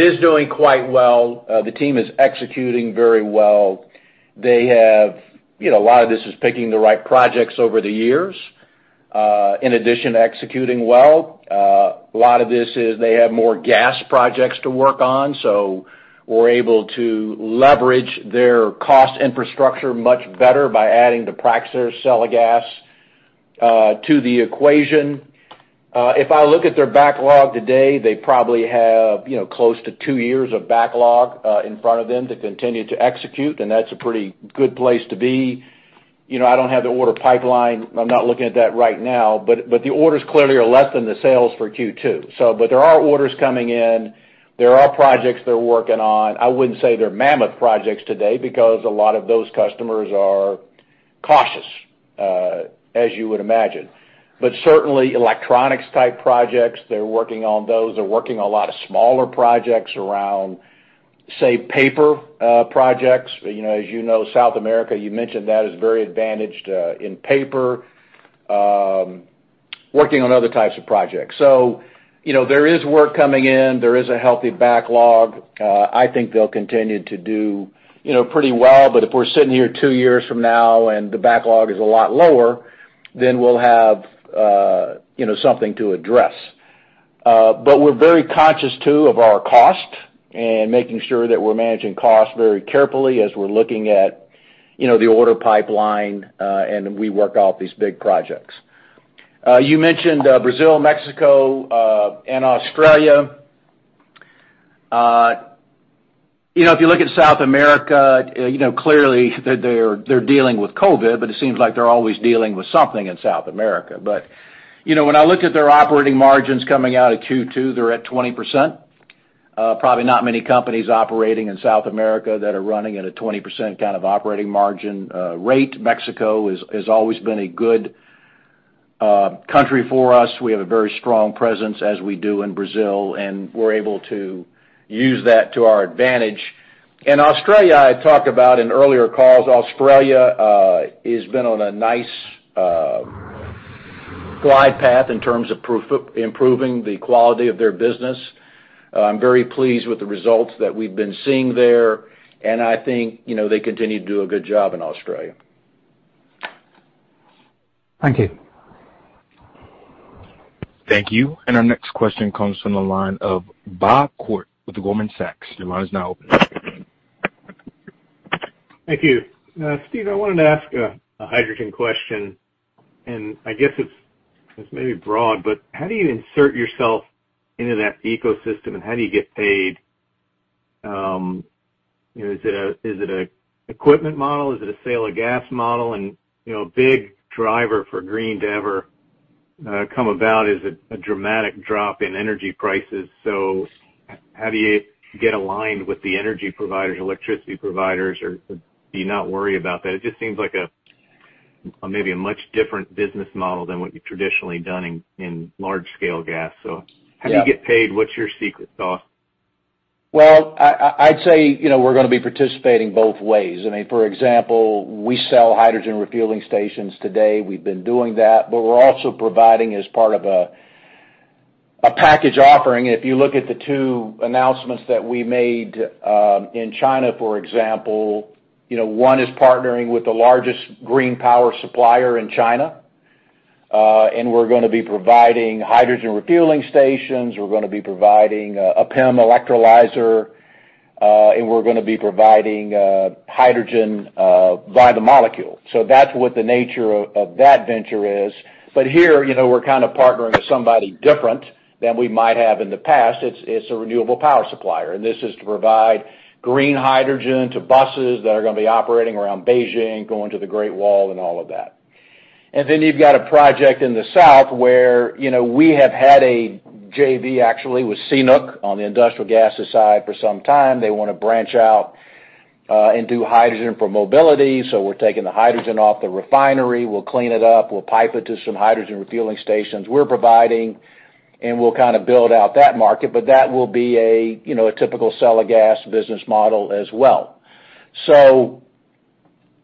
is doing quite well. The team is executing very well. A lot of this is picking the right projects over the years, in addition to executing well. A lot of this is they have more gas projects to work on. We're able to leverage their cost infrastructure much better by adding the Praxair sale of gas to the equation. If I look at their backlog today, they probably have close to two years of backlog in front of them to continue to execute, and that's a pretty good place to be. I don't have the order pipeline. I'm not looking at that right now, but the orders clearly are less than the sales for Q2. There are orders coming in. There are projects they're working on. I wouldn't say they're mammoth projects today because a lot of those customers are cautious, as you would imagine. Certainly, electronics type projects, they're working on those. They're working on a lot of smaller projects around, say, paper projects. As you know, South America, you mentioned that, is very advantaged in paper, working on other types of projects. There is work coming in. There is a healthy backlog. I think they'll continue to do pretty well. If we're sitting here two years from now and the backlog is a lot lower, then we'll have something to address. We're very conscious, too, of our cost and making sure that we're managing cost very carefully as we're looking at the order pipeline, and we work out these big projects. You mentioned Brazil, Mexico, and Australia. If you look at South America, clearly, they're dealing with COVID, but it seems like they're always dealing with something in South America. When I look at their operating margins coming out of Q2, they're at 20%. Probably not many companies operating in South America that are running at a 20% kind of operating margin rate. Mexico has always been a good country for us. We have a very strong presence, as we do in Brazil, and we're able to use that to our advantage. Australia, I talked about in earlier calls. Australia has been on a nice glide path in terms of improving the quality of their business. I'm very pleased with the results that we've been seeing there, and I think they continue to do a good job in Australia. Thank you. Thank you. Our next question comes from the line of Bob Koort with Goldman Sachs. Your line is now open. Thank you. Steve, I wanted to ask a hydrogen question. I guess it's maybe broad. How do you insert yourself into that ecosystem, and how do you get paid? Is it an equipment model? Is it a sale of gas model? A big driver for green to ever come about is a dramatic drop in energy prices. How do you get aligned with the energy providers, electricity providers, or do you not worry about that? It just seems like maybe a much different business model than what you've traditionally done in large scale gas. How do you get paid? What's your secret sauce? I'd say we're going to be participating both ways. For example, we sell hydrogen refueling stations today. We've been doing that, but we're also providing as part of a package offering. If you look at the two announcements that we made in China, for example, one is partnering with the largest green power supplier in China, and we're going to be providing hydrogen refueling stations. We're going to be providing a PEM electrolyzer, and we're going to be providing hydrogen via the molecule. That's what the nature of that venture is. Here, we're kind of partnering with somebody different than we might have in the past. It's a renewable power supplier, and this is to provide clean hydrogen to buses that are going to be operating around Beijing, going to the Great Wall, and all of that. You've got a project in the South where we have had a JV, actually, with SINOPEC on the industrial gas side for some time. They want to branch out and do hydrogen for mobility. We're taking the hydrogen off the refinery. We'll clean it up. We'll pipe it to some hydrogen refueling stations we're providing, and we'll kind of build out that market. That will be a typical sale of gas business model as well.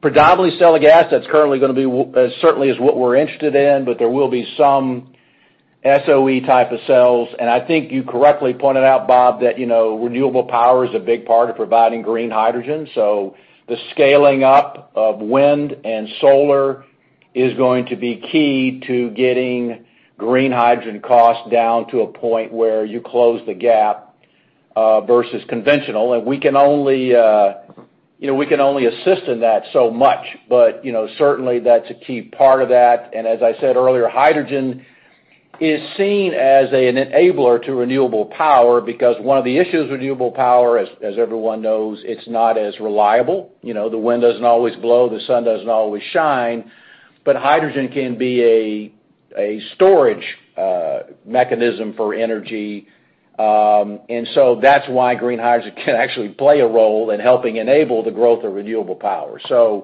Predominantly, selling gas, that's currently certainly is what we're interested in, but there will be some SOE type of sales. I think you correctly pointed out, Bob, that renewable power is a big part of providing clean hydrogen. The scaling up of wind and solar is going to be key to getting clean hydrogen costs down to a point where you close the gap versus conventional. We can only assist in that so much. Certainly, that's a key part of that. As I said earlier, hydrogen is seen as an enabler to renewable power because one of the issues with renewable power, as everyone knows, it's not as reliable. The wind doesn't always blow, the sun doesn't always shine. Hydrogen can be a storage mechanism for energy. That's why clean hydrogen can actually play a role in helping enable the growth of renewable power. Some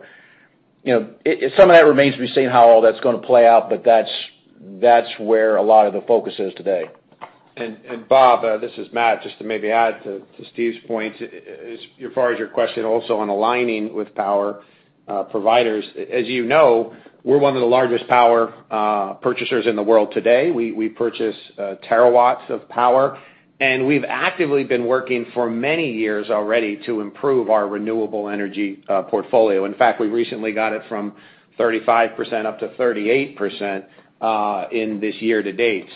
of that remains to be seen how all that's going to play out, but that's where a lot of the focus is today. Bob, this is Matt. Just to maybe add to Steve's point as far as your question also on aligning with power providers. As you know, we're one of the largest power purchasers in the world today. We purchase terawatts of power, and we've actively been working for many years already to improve our renewable energy portfolio. In fact, we recently got it from 35% up to 38% in this year to date.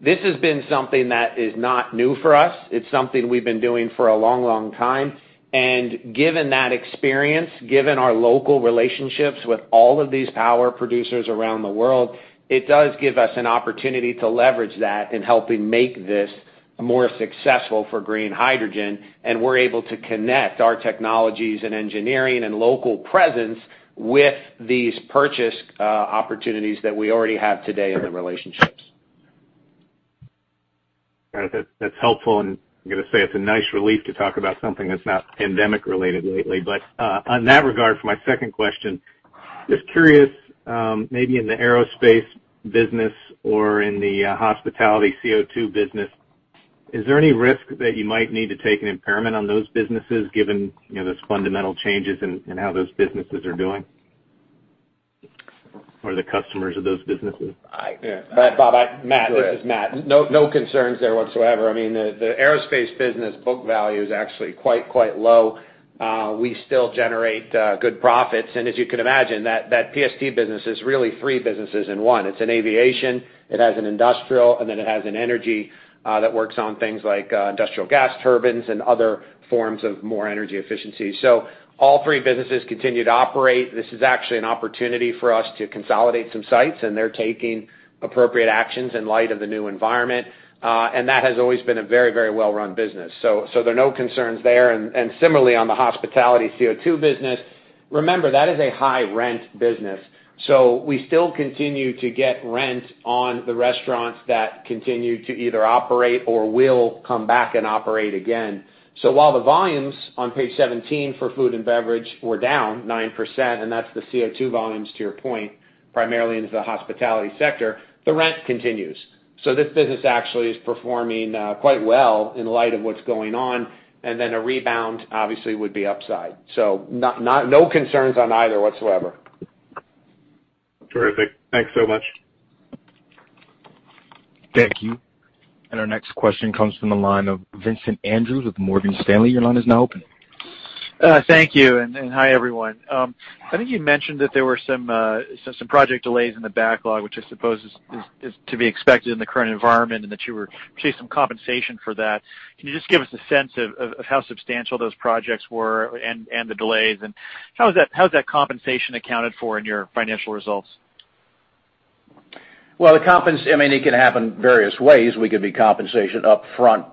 This has been something that is not new for us. It's something we've been doing for a long time. Given that experience, given our local relationships with all of these power producers around the world, it does give us an opportunity to leverage that in helping make this more successful for clean hydrogen. We're able to connect our technologies and engineering and local presence with these purchase opportunities that we already have today in the relationships. That's helpful. I'm going to say it's a nice relief to talk about something that's not pandemic-related lately. On that regard, for my second question, just curious, maybe in the aerospace business or in the hospitality CO2 business, is there any risk that you might need to take an impairment on those businesses given those fundamental changes in how those businesses are doing or the customers of those businesses? Yeah. Matt, this is Matt. No concerns there whatsoever. I mean, the aerospace business book value is actually quite low. We still generate good profits. As you can imagine, that PST business is really three businesses in one. It's in aviation, it has an industrial, and then it has an energy that works on things like industrial gas turbines and other forms of more energy efficiency. All three businesses continue to operate. This is actually an opportunity for us to consolidate some sites, and they're taking appropriate actions in light of the new environment. That has always been a very well-run business. There are no concerns there. Similarly, on the hospitality CO2 business, remember, that is a high-rent business. We still continue to get rent on the restaurants that continue to either operate or will come back and operate again. While the volumes on page 17 for food and beverage were down 9%, and that's the CO2 volumes, to your point, primarily into the hospitality sector, the rent continues. This business actually is performing quite well in light of what's going on, and then a rebound obviously would be upside. No concerns on either whatsoever. Terrific. Thanks so much. Thank you. Our next question comes from the line of Vincent Andrews with Morgan Stanley. Your line is now open. Thank you. Hi, everyone. I think you mentioned that there were some project delays in the backlog, which I suppose is to be expected in the current environment, and that you were chasing compensation for that. Can you just give us a sense of how substantial those projects were and the delays, and how is that compensation accounted for in your financial results? Well, it can happen various ways. We could be compensation upfront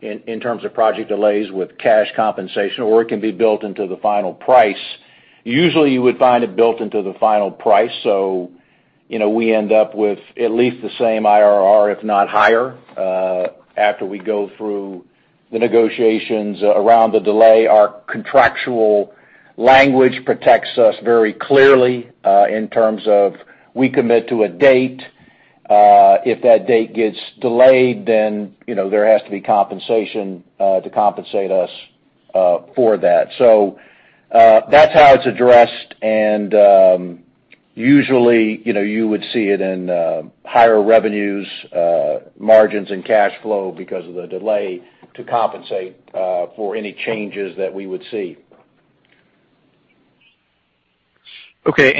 in terms of project delays with cash compensation, or it can be built into the final price. Usually, you would find it built into the final price. We end up with at least the same IRR, if not higher after we go through the negotiations around the delay. Our contractual language protects us very clearly in terms of we commit to a date. If that date gets delayed, there has to be compensation to compensate us for that. That's how it's addressed, usually you would see it in higher revenues, margins, and cash flow because of the delay to compensate for any changes that we would see. Okay.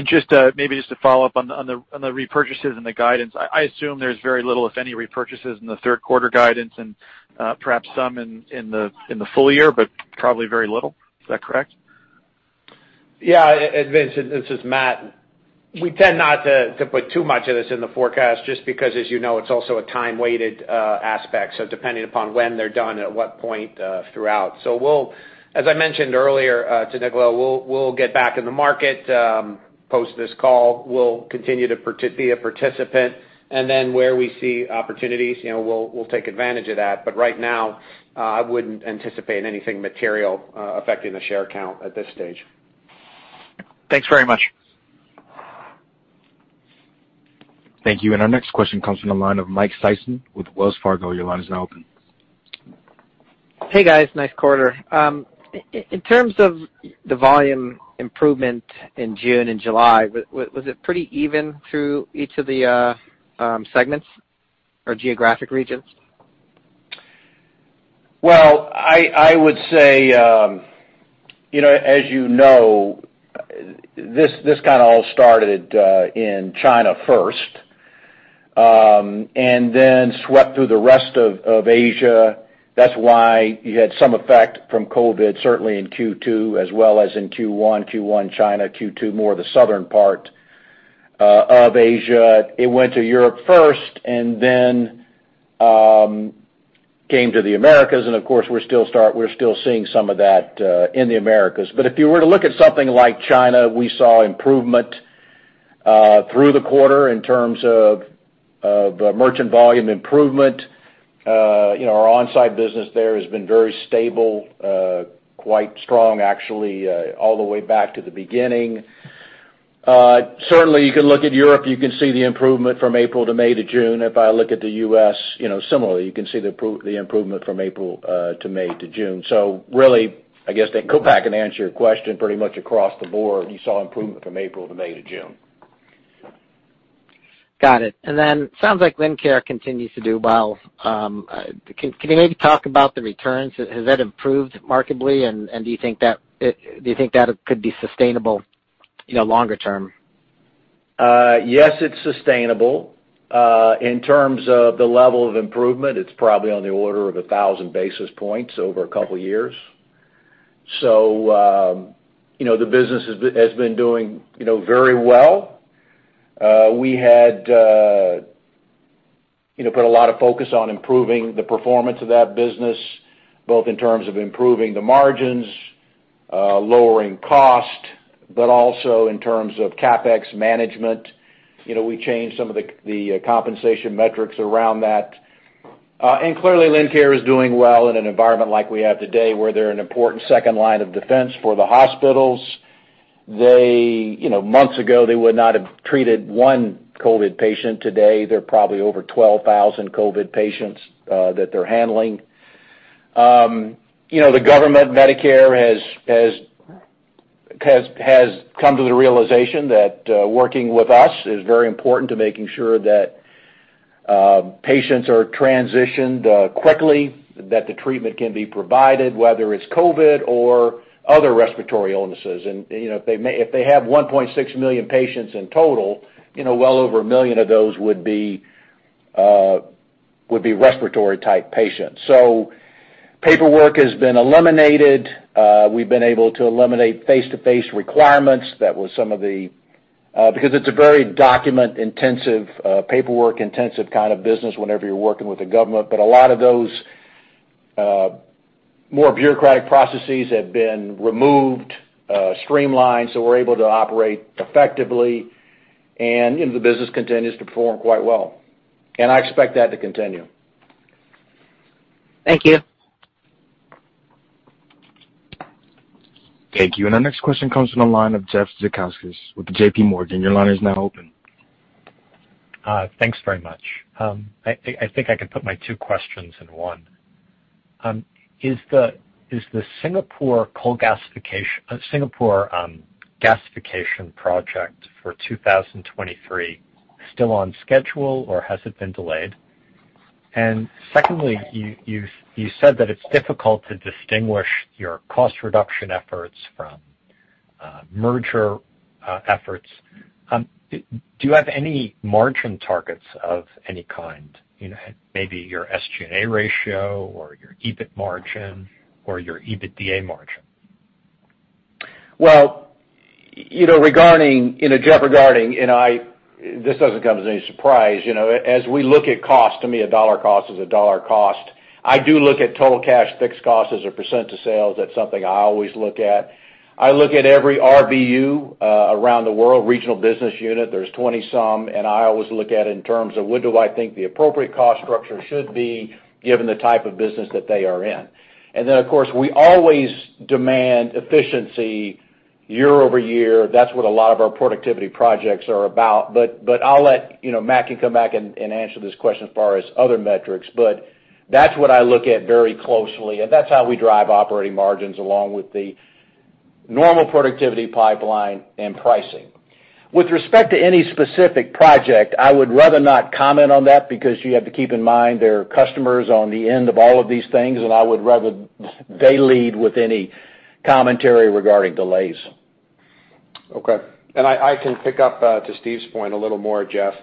Maybe just to follow up on the repurchases and the guidance. I assume there's very little, if any, repurchases in the third quarter guidance and perhaps some in the full year, but probably very little. Is that correct? Yeah. Vincent, this is Matt. We tend not to put too much of this in the forecast just because, as you know, it's also a time-weighted aspect, so depending upon when they're done and at what point throughout. As I mentioned earlier to Nicola, we'll get back in the market post this call. We'll continue to be a participant, and then where we see opportunities, we'll take advantage of that. Right now, I wouldn't anticipate anything material affecting the share count at this stage. Thanks very much. Thank you. Our next question comes from the line of Mike Sison with Wells Fargo. Your line is now open. Hey, guys, nice quarter. In terms of the volume improvement in June and July, was it pretty even through each of the segments or geographic regions? Well, I would say as you know, this kind of all started in China first and then swept through the rest of Asia. That's why you had some effect from COVID, certainly in Q2 as well as in Q1. Q1 China, Q2 more the southern part of Asia. It went to Europe first and then came to the Americas, and of course, we're still seeing some of that in the Americas. If you were to look at something like China, we saw improvement through the quarter in terms of merchant volume improvement. Our on-site business there has been very stable, quite strong, actually all the way back to the beginning. Certainly, you can look at Europe, you can see the improvement from April to May to June. If I look at the U.S., similarly, you can see the improvement from April to May to June. Really, I guess to go back and answer your question pretty much across the board, you saw improvement from April to May to June. Sounds like Lincare continues to do well. Can you maybe talk about the returns? Has that improved markedly, and do you think that could be sustainable longer term? Yes, it's sustainable. In terms of the level of improvement, it's probably on the order of 1,000 basis points over a couple of years. The business has been doing very well. We had put a lot of focus on improving the performance of that business, both in terms of improving the margins lowering cost, but also in terms of CapEx management. We changed some of the compensation metrics around that. Clearly, Lincare is doing well in an environment like we have today, where they're an important second line of defense for the hospitals. Months ago, they would not have treated one COVID patient. Today, there are probably over 12,000 COVID patients that they're handling. The government, Medicare, has come to the realization that working with us is very important to making sure that patients are transitioned quickly, that the treatment can be provided, whether it's COVID or other respiratory illnesses. If they have 1.6 million patients in total, well over 1 million of those would be respiratory-type patients. Paperwork has been eliminated. We've been able to eliminate face-to-face requirements. Because it's a very document-intensive, paperwork-intensive kind of business whenever you're working with the government. A lot of those more bureaucratic processes have been removed, streamlined, so we're able to operate effectively, and the business continues to perform quite well. I expect that to continue. Thank you. Thank you. Our next question comes from the line of Jeff Zekauskas with JPMorgan. Your line is now open. Thanks very much. I think I can put my two questions in one. Is the Singapore gasification project for 2023 still on schedule, or has it been delayed? Secondly, you said that it's difficult to distinguish your cost reduction efforts from merger efforts. Do you have any margin targets of any kind? Maybe your SG&A ratio or your EBIT margin or your EBITDA margin. Well, Jeff regarding, this doesn't come as any surprise. As we look at cost, to me, a dollar cost is a dollar cost. I do look at total cash fixed cost as a percent of sales. That's something I always look at. I look at every RBU around the world, regional business unit. There's 20-some, and I always look at it in terms of what do I think the appropriate cost structure should be given the type of business that they are in. Then, of course, we always demand efficiency year-over-year. That's what a lot of our productivity projects are about. I'll let Matt can come back and answer this question as far as other metrics, but that's what I look at very closely, and that's how we drive operating margins along with the normal productivity pipeline and pricing. With respect to any specific project, I would rather not comment on that because you have to keep in mind there are customers on the end of all of these things, and I would rather they lead with any commentary regarding delays. Okay. I can pick up to Steve's point a little more, Jeff,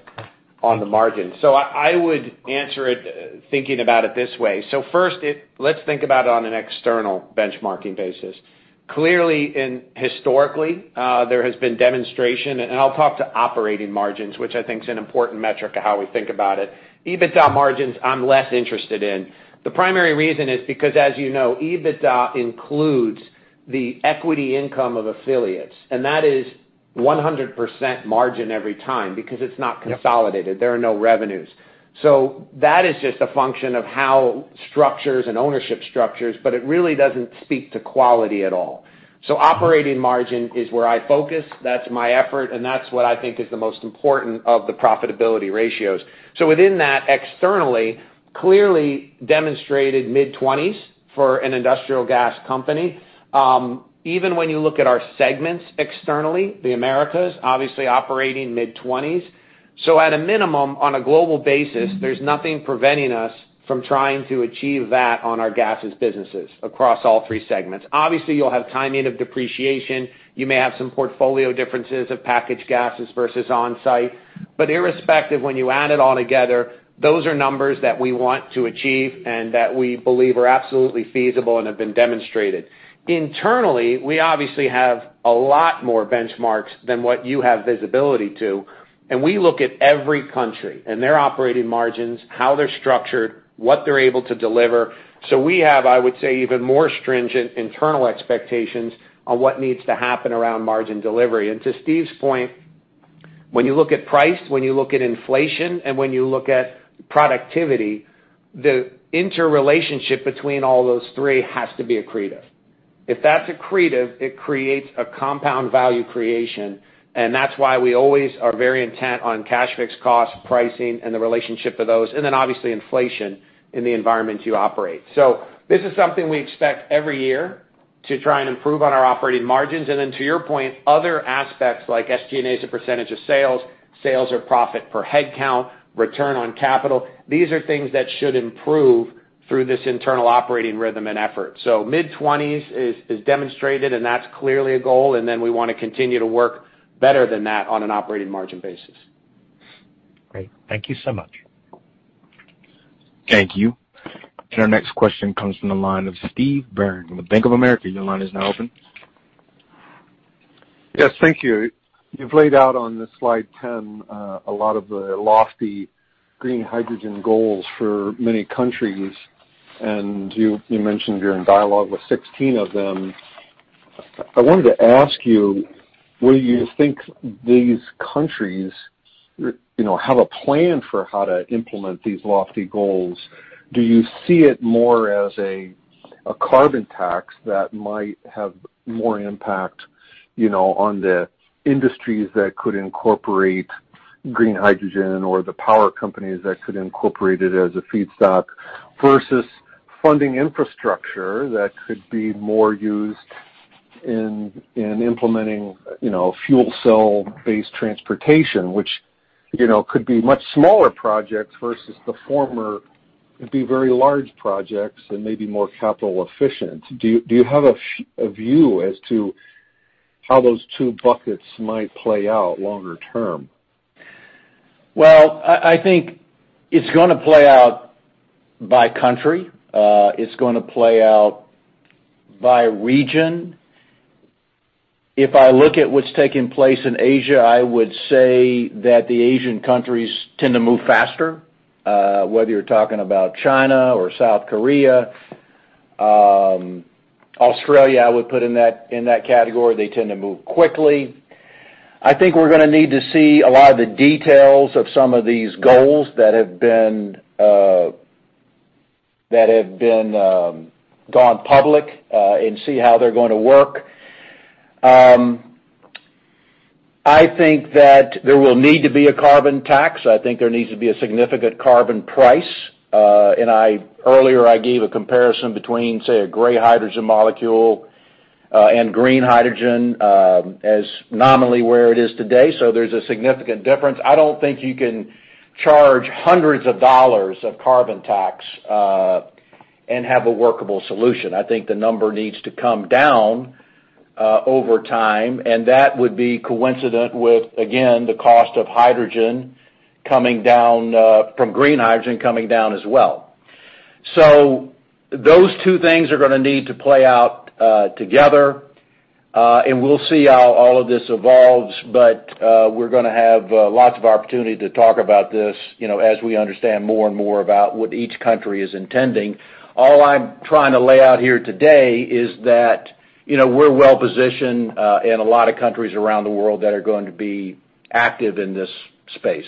on the margin. I would answer it thinking about it this way. First, let's think about it on an external benchmarking basis. Clearly and historically, there has been demonstration, and I'll talk to operating margins, which I think is an important metric of how we think about it. EBITDA margins, I'm less interested in. The primary reason is because, as you know, EBITDA includes the equity income of affiliates, and that is 100% margin every time because it's not consolidated. There are no revenues. That is just a function of how structures and ownership structures, but it really doesn't speak to quality at all. Operating margin is where I focus, that's my effort, and that's what I think is the most important of the profitability ratios. Within that, externally, clearly demonstrated mid-20s for an industrial gas company. Even when you look at our segments externally, the Americas, obviously operating mid-20s. At a minimum, on a global basis, there's nothing preventing us from trying to achieve that on our gases businesses across all three segments. Obviously, you'll have timing of depreciation. You may have some portfolio differences of packaged gases versus on-site. Irrespective, when you add it all together, those are numbers that we want to achieve and that we believe are absolutely feasible and have been demonstrated. Internally, we obviously have a lot more benchmarks than what you have visibility to, and we look at every country and their operating margins, how they're structured, what they're able to deliver. We have, I would say, even more stringent internal expectations on what needs to happen around margin delivery. To Steve's point, when you look at price, when you look at inflation, and when you look at productivity, the interrelationship between all those three has to be accretive. If that's accretive, it creates a compound value creation, and that's why we always are very intent on cash fixed cost, pricing, and the relationship of those, and then obviously inflation in the environment you operate. This is something we expect every year to try and improve on our operating margins. To your point, other aspects like SG&A as a percentage of sales or profit per head count, return on capital, these are things that should improve through this internal operating rhythm and effort. Mid-20s is demonstrated, and that's clearly a goal, and then we want to continue to work better than that on an operating margin basis. Great. Thank you so much. Thank you. Our next question comes from the line of Steve Byrne of Bank of America. Your line is now open. Yes. Thank you. You've laid out on this slide 10 a lot of the lofty clean hydrogen goals for many countries, and you mentioned you're in dialogue with 16 of them. I wanted to ask you, will you think these countries have a plan for how to implement these lofty goals? Do you see it more as a carbon tax that might have more impact on the industries that could incorporate clean hydrogen or the power companies that could incorporate it as a feedstock, versus funding infrastructure that could be more used in implementing fuel cell-based transportation, which could be much smaller projects versus the former would be very large projects and maybe more capital efficient. Do you have a view as to how those two buckets might play out longer term? I think it's going to play out by country. It's going to play out by region. If I look at what's taking place in Asia, I would say that the Asian countries tend to move faster, whether you're talking about China or South Korea. Australia, I would put in that category. They tend to move quickly. I think we're going to need to see a lot of the details of some of these goals that have gone public, and see how they're going to work. I think that there will need to be a carbon tax. I think there needs to be a significant carbon price. Earlier, I gave a comparison between, say, a gray hydrogen molecule and clean hydrogen, as nominally where it is today. There's a significant difference. I don't think you can charge hundreds of dollars of carbon tax and have a workable solution. I think the number needs to come down over time, and that would be coincident with, again, the cost of hydrogen coming down from clean hydrogen coming down as well. Those two things are going to need to play out together. We'll see how all of this evolves. We're going to have lots of opportunity to talk about this as we understand more and more about what each country is intending. All I'm trying to lay out here today is that we're well positioned in a lot of countries around the world that are going to be active in this space.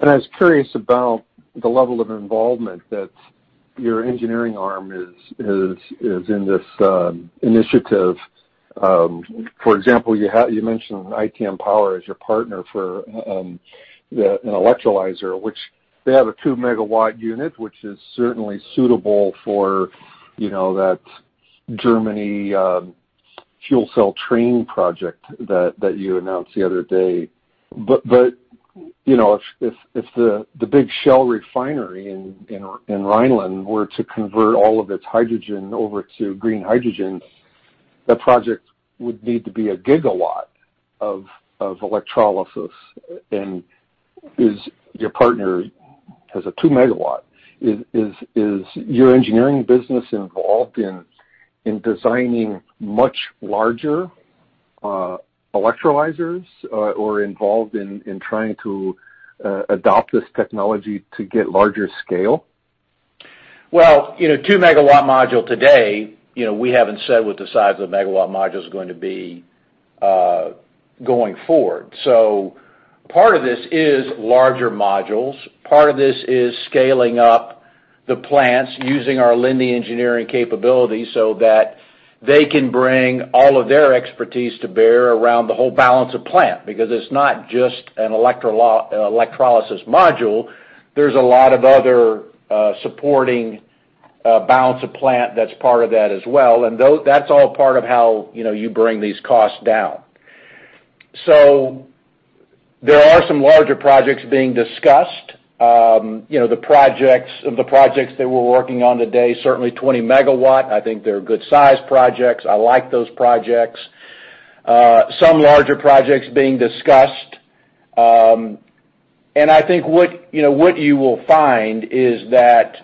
I was curious about the level of involvement that your engineering arm is in this initiative. For example, you mentioned ITM Power as your partner for an electrolyzer, which they have a 2 MW unit, which is certainly suitable for that Germany fuel cell train project that you announced the other day. If the big Shell refinery in Rhineland were to convert all of its hydrogen over to clean hydrogen, that project would need to be a gigawatt of electrolysis. Your partner has a 2 megawatt. Is your engineering business involved in designing much larger electrolyzers or involved in trying to adopt this technology to get larger scale? Well, 2 MW module today, we haven't said what the size of the megawatt module is going to be going forward. Part of this is larger modules. Part of this is scaling up the plants using our Linde Engineering capabilities so that they can bring all of their expertise to bear around the whole balance of plant, because it's not just an electrolysis module. There's a lot of other supporting balance of plant that's part of that as well. That's all part of how you bring these costs down. There are some larger projects being discussed. The projects that we're working on today, certainly 20 MW. I think they're good size projects. I like those projects. Some larger projects being discussed. I think what you will find is that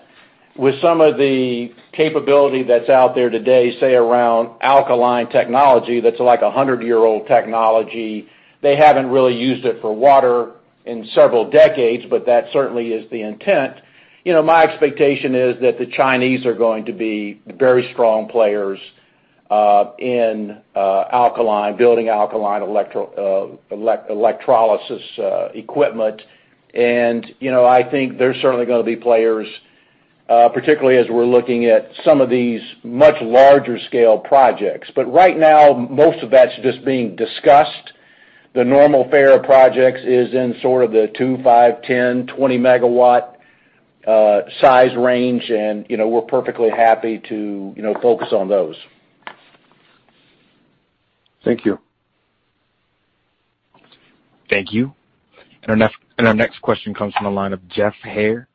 with some of the capability that's out there today, say around alkaline technology, that's like 100-year-old technology. They haven't really used it for water in several decades, but that certainly is the intent. My expectation is that the Chinese are going to be very strong players in building alkaline electrolysis equipment. I think they're certainly going to be players, particularly as we're looking at some of these much larger scale projects. Right now, most of that's just being discussed. The normal fare of projects is in sort of the 2 MW, 5 MW, 10 MW, 20 MW size range. We're perfectly happy to focus on those. Thank you. Thank you. Our next question comes from the line of Geoff Haire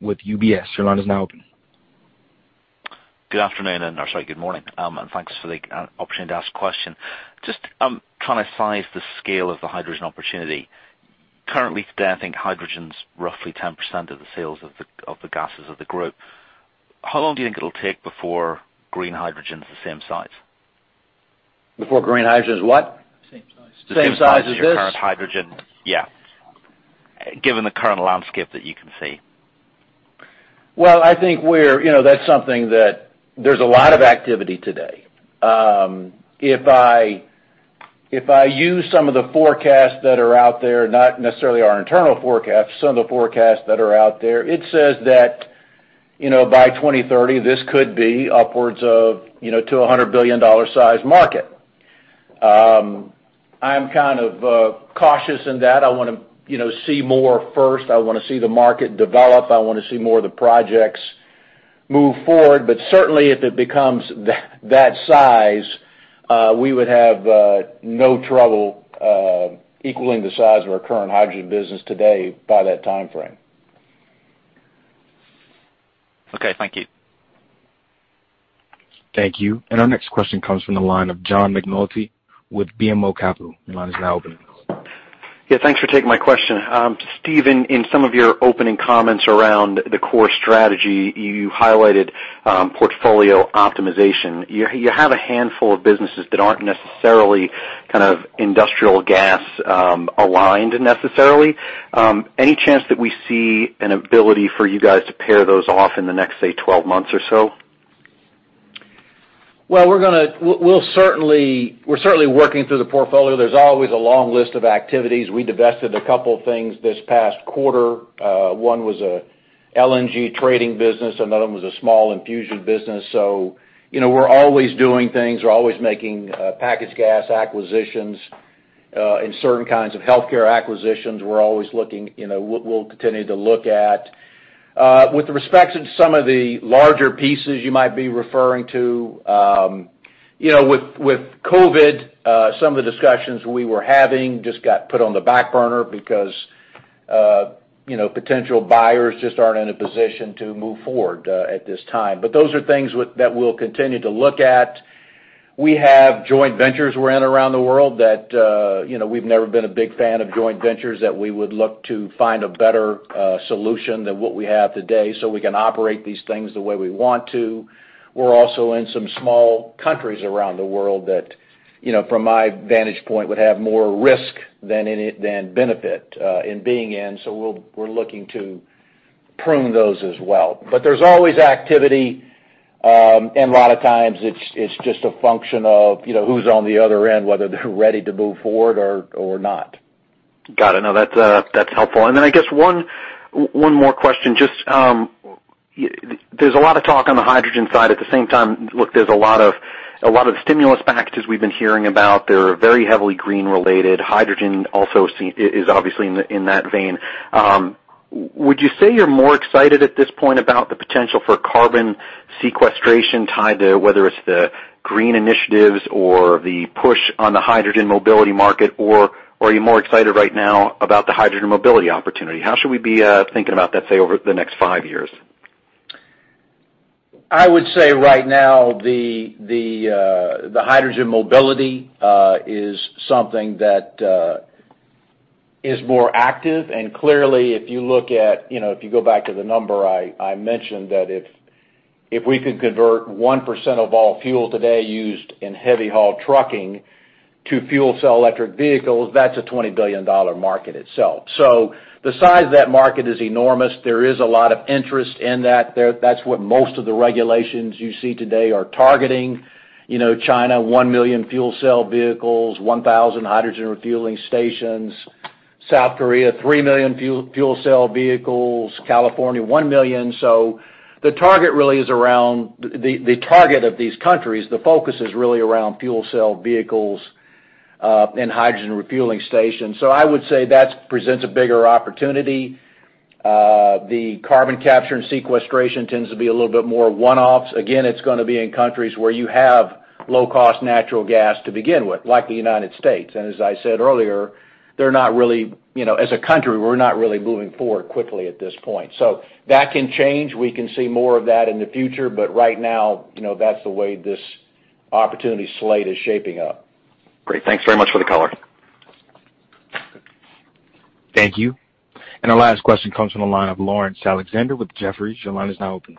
with UBS. Your line is now open. Good afternoon, oh, sorry, good morning. Thanks for the opportunity to ask a question. Just trying to size the scale of the hydrogen opportunity. Currently today, I think hydrogen's roughly 10% of the sales of the gases of the group. How long do you think it'll take before clean hydrogen's the same size? Before clean hydrogen is what? Same size. Same size as this? Same size as your current hydrogen, yeah. Given the current landscape that you can see. Well, I think that's something that there's a lot of activity today. If I use some of the forecasts that are out there, not necessarily our internal forecasts, some of the forecasts that are out there, it says that, by 2030, this could be upwards of to $100 billion size market. I'm kind of cautious in that. I want to see more first. I want to see the market develop. I want to see more of the projects move forward. Certainly, if it becomes that size, we would have no trouble equaling the size of our current hydrogen business today by that timeframe. Okay, thank you. Thank you. Our next question comes from the line of John McNulty with BMO Capital. Your line is now open. Yeah, thanks for taking my question. Steve, in some of your opening comments around the core strategy, you highlighted portfolio optimization. You have a handful of businesses that aren't necessarily kind of industrial gas aligned necessarily. Any chance that we see an ability for you guys to pair those off in the next, say, 12 months or so? Well, we're certainly working through the portfolio. There's always a long list of activities. We divested a couple things this past quarter. One was a LNG trading business, another one was a small infusion business. We're always doing things. We're always making packaged gas acquisitions and certain kinds of healthcare acquisitions. We're always looking. We'll continue to look at. With respect to some of the larger pieces you might be referring to, with COVID, some of the discussions we were having just got put on the back burner because potential buyers just aren't in a position to move forward at this time. Those are things that we'll continue to look at. We have joint ventures we're in around the world that we've never been a big fan of joint ventures, that we would look to find a better solution than what we have today so we can operate these things the way we want to. We're also in some small countries around the world that, from my vantage point, would have more risk than benefit in being in, so we're looking to prune those as well. There's always activity, and a lot of times, it's just a function of who's on the other end, whether they're ready to move forward or not. Got it. No, that's helpful. I guess one more question. There's a lot of talk on the hydrogen side. At the same time, look, there's a lot of stimulus packages we've been hearing about. They're very heavily green related. Hydrogen also is obviously in that vein. Would you say you're more excited at this point about the potential for carbon sequestration tied to whether it's the Green Initiatives or the push on the hydrogen mobility market, or are you more excited right now about the hydrogen mobility opportunity? How should we be thinking about that, say, over the next five years? I would say right now, the hydrogen mobility is something that is more active. Clearly, if you go back to the number I mentioned, that if we could convert 1% of all fuel today used in heavy haul trucking to fuel cell electric vehicles, that's a $20 billion market itself. The size of that market is enormous. There is a lot of interest in that. That's what most of the regulations you see today are targeting. China, one million fuel cell vehicles, 1,000 hydrogen refueling stations. South Korea, three million fuel cell vehicles. California, one million. The target of these countries, the focus is really around fuel cell vehicles and hydrogen refueling stations. I would say that presents a bigger opportunity. The carbon capture and sequestration tend to be a little bit more one-offs. Again, it's going to be in countries where you have low-cost natural gas to begin with, like the United States. As I said earlier, as a country, we're not really moving forward quickly at this point. That can change. We can see more of that in the future, but right now, that's the way this opportunity slate is shaping up. Great. Thanks very much for the color. Thank you. Our last question comes from the line of Laurence Alexander with Jefferies. Your line is now open.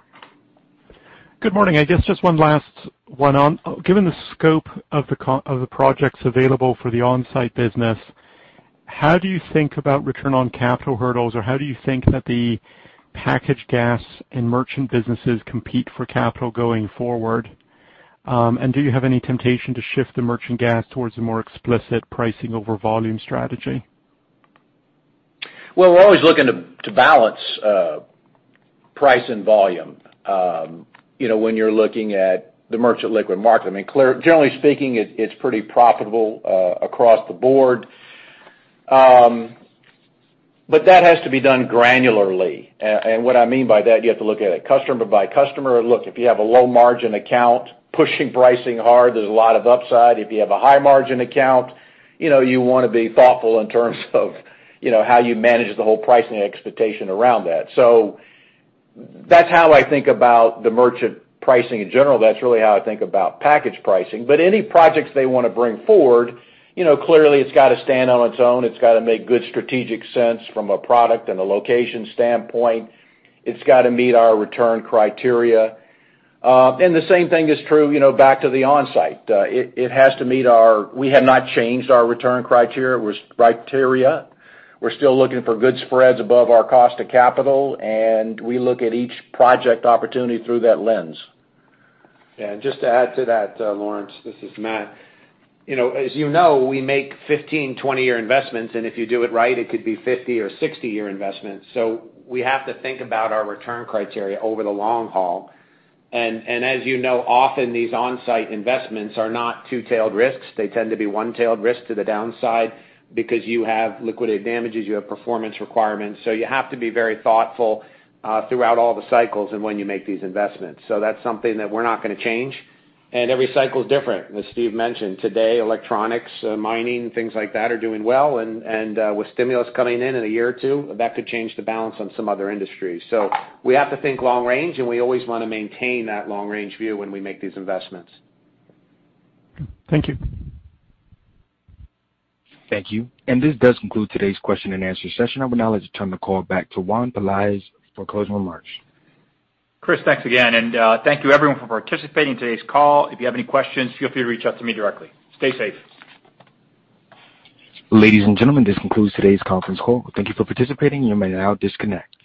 Good morning. I guess just one last one. Given the scope of the projects available for the onsite business, how do you think about return on capital hurdles, or how do you think that the packaged gas and merchant businesses compete for capital going forward? Do you have any temptation to shift the merchant gas towards a more explicit pricing over volume strategy? Well, we're always looking to balance price and volume. When you're looking at the merchant liquid market, generally speaking, it's pretty profitable across the board. That has to be done granularly. What I mean by that, you have to look at it customer by customer. Look, if you have a low margin account pushing pricing hard, there's a lot of upside. If you have a high margin account, you want to be thoughtful in terms of how you manage the whole pricing expectation around that. That's how I think about the merchant pricing in general. That's really how I think about package pricing. Any projects they want to bring forward, clearly, it's got to stand on its own. It's got to make good strategic sense from a product and a location standpoint. It's got to meet our return criteria. The same thing is true back to the onsite. We have not changed our return criteria. We're still looking for good spreads above our cost of capital, and we look at each project opportunity through that lens. Just to add to that, Laurence, this is Matt. As you know, we make 15, 20-year investments, and if you do it right, it could be 50 or 60-year investments. We have to think about our return criteria over the long haul. As you know, often these onsite investments are not two-tailed risks. They tend to be one-tailed risk to the downside because you have liquidated damages, you have performance requirements. You have to be very thoughtful throughout all the cycles and when you make these investments. That's something that we're not going to change. Every cycle is different, as Steve mentioned. Today, electronics, mining, things like that are doing well. With stimulus coming in in a year or two, that could change the balance on some other industries. We have to think long range, and we always want to maintain that long range view when we make these investments. Thank you. Thank you. This does conclude today's question and answer session. I would now like to turn the call back to Juan Pelaez for closing remarks. Chris, thanks again, and thank you everyone for participating in today's call. If you have any questions, feel free to reach out to me directly. Stay safe. Ladies and gentlemen, this concludes today's conference call. Thank you for participating. You may now disconnect.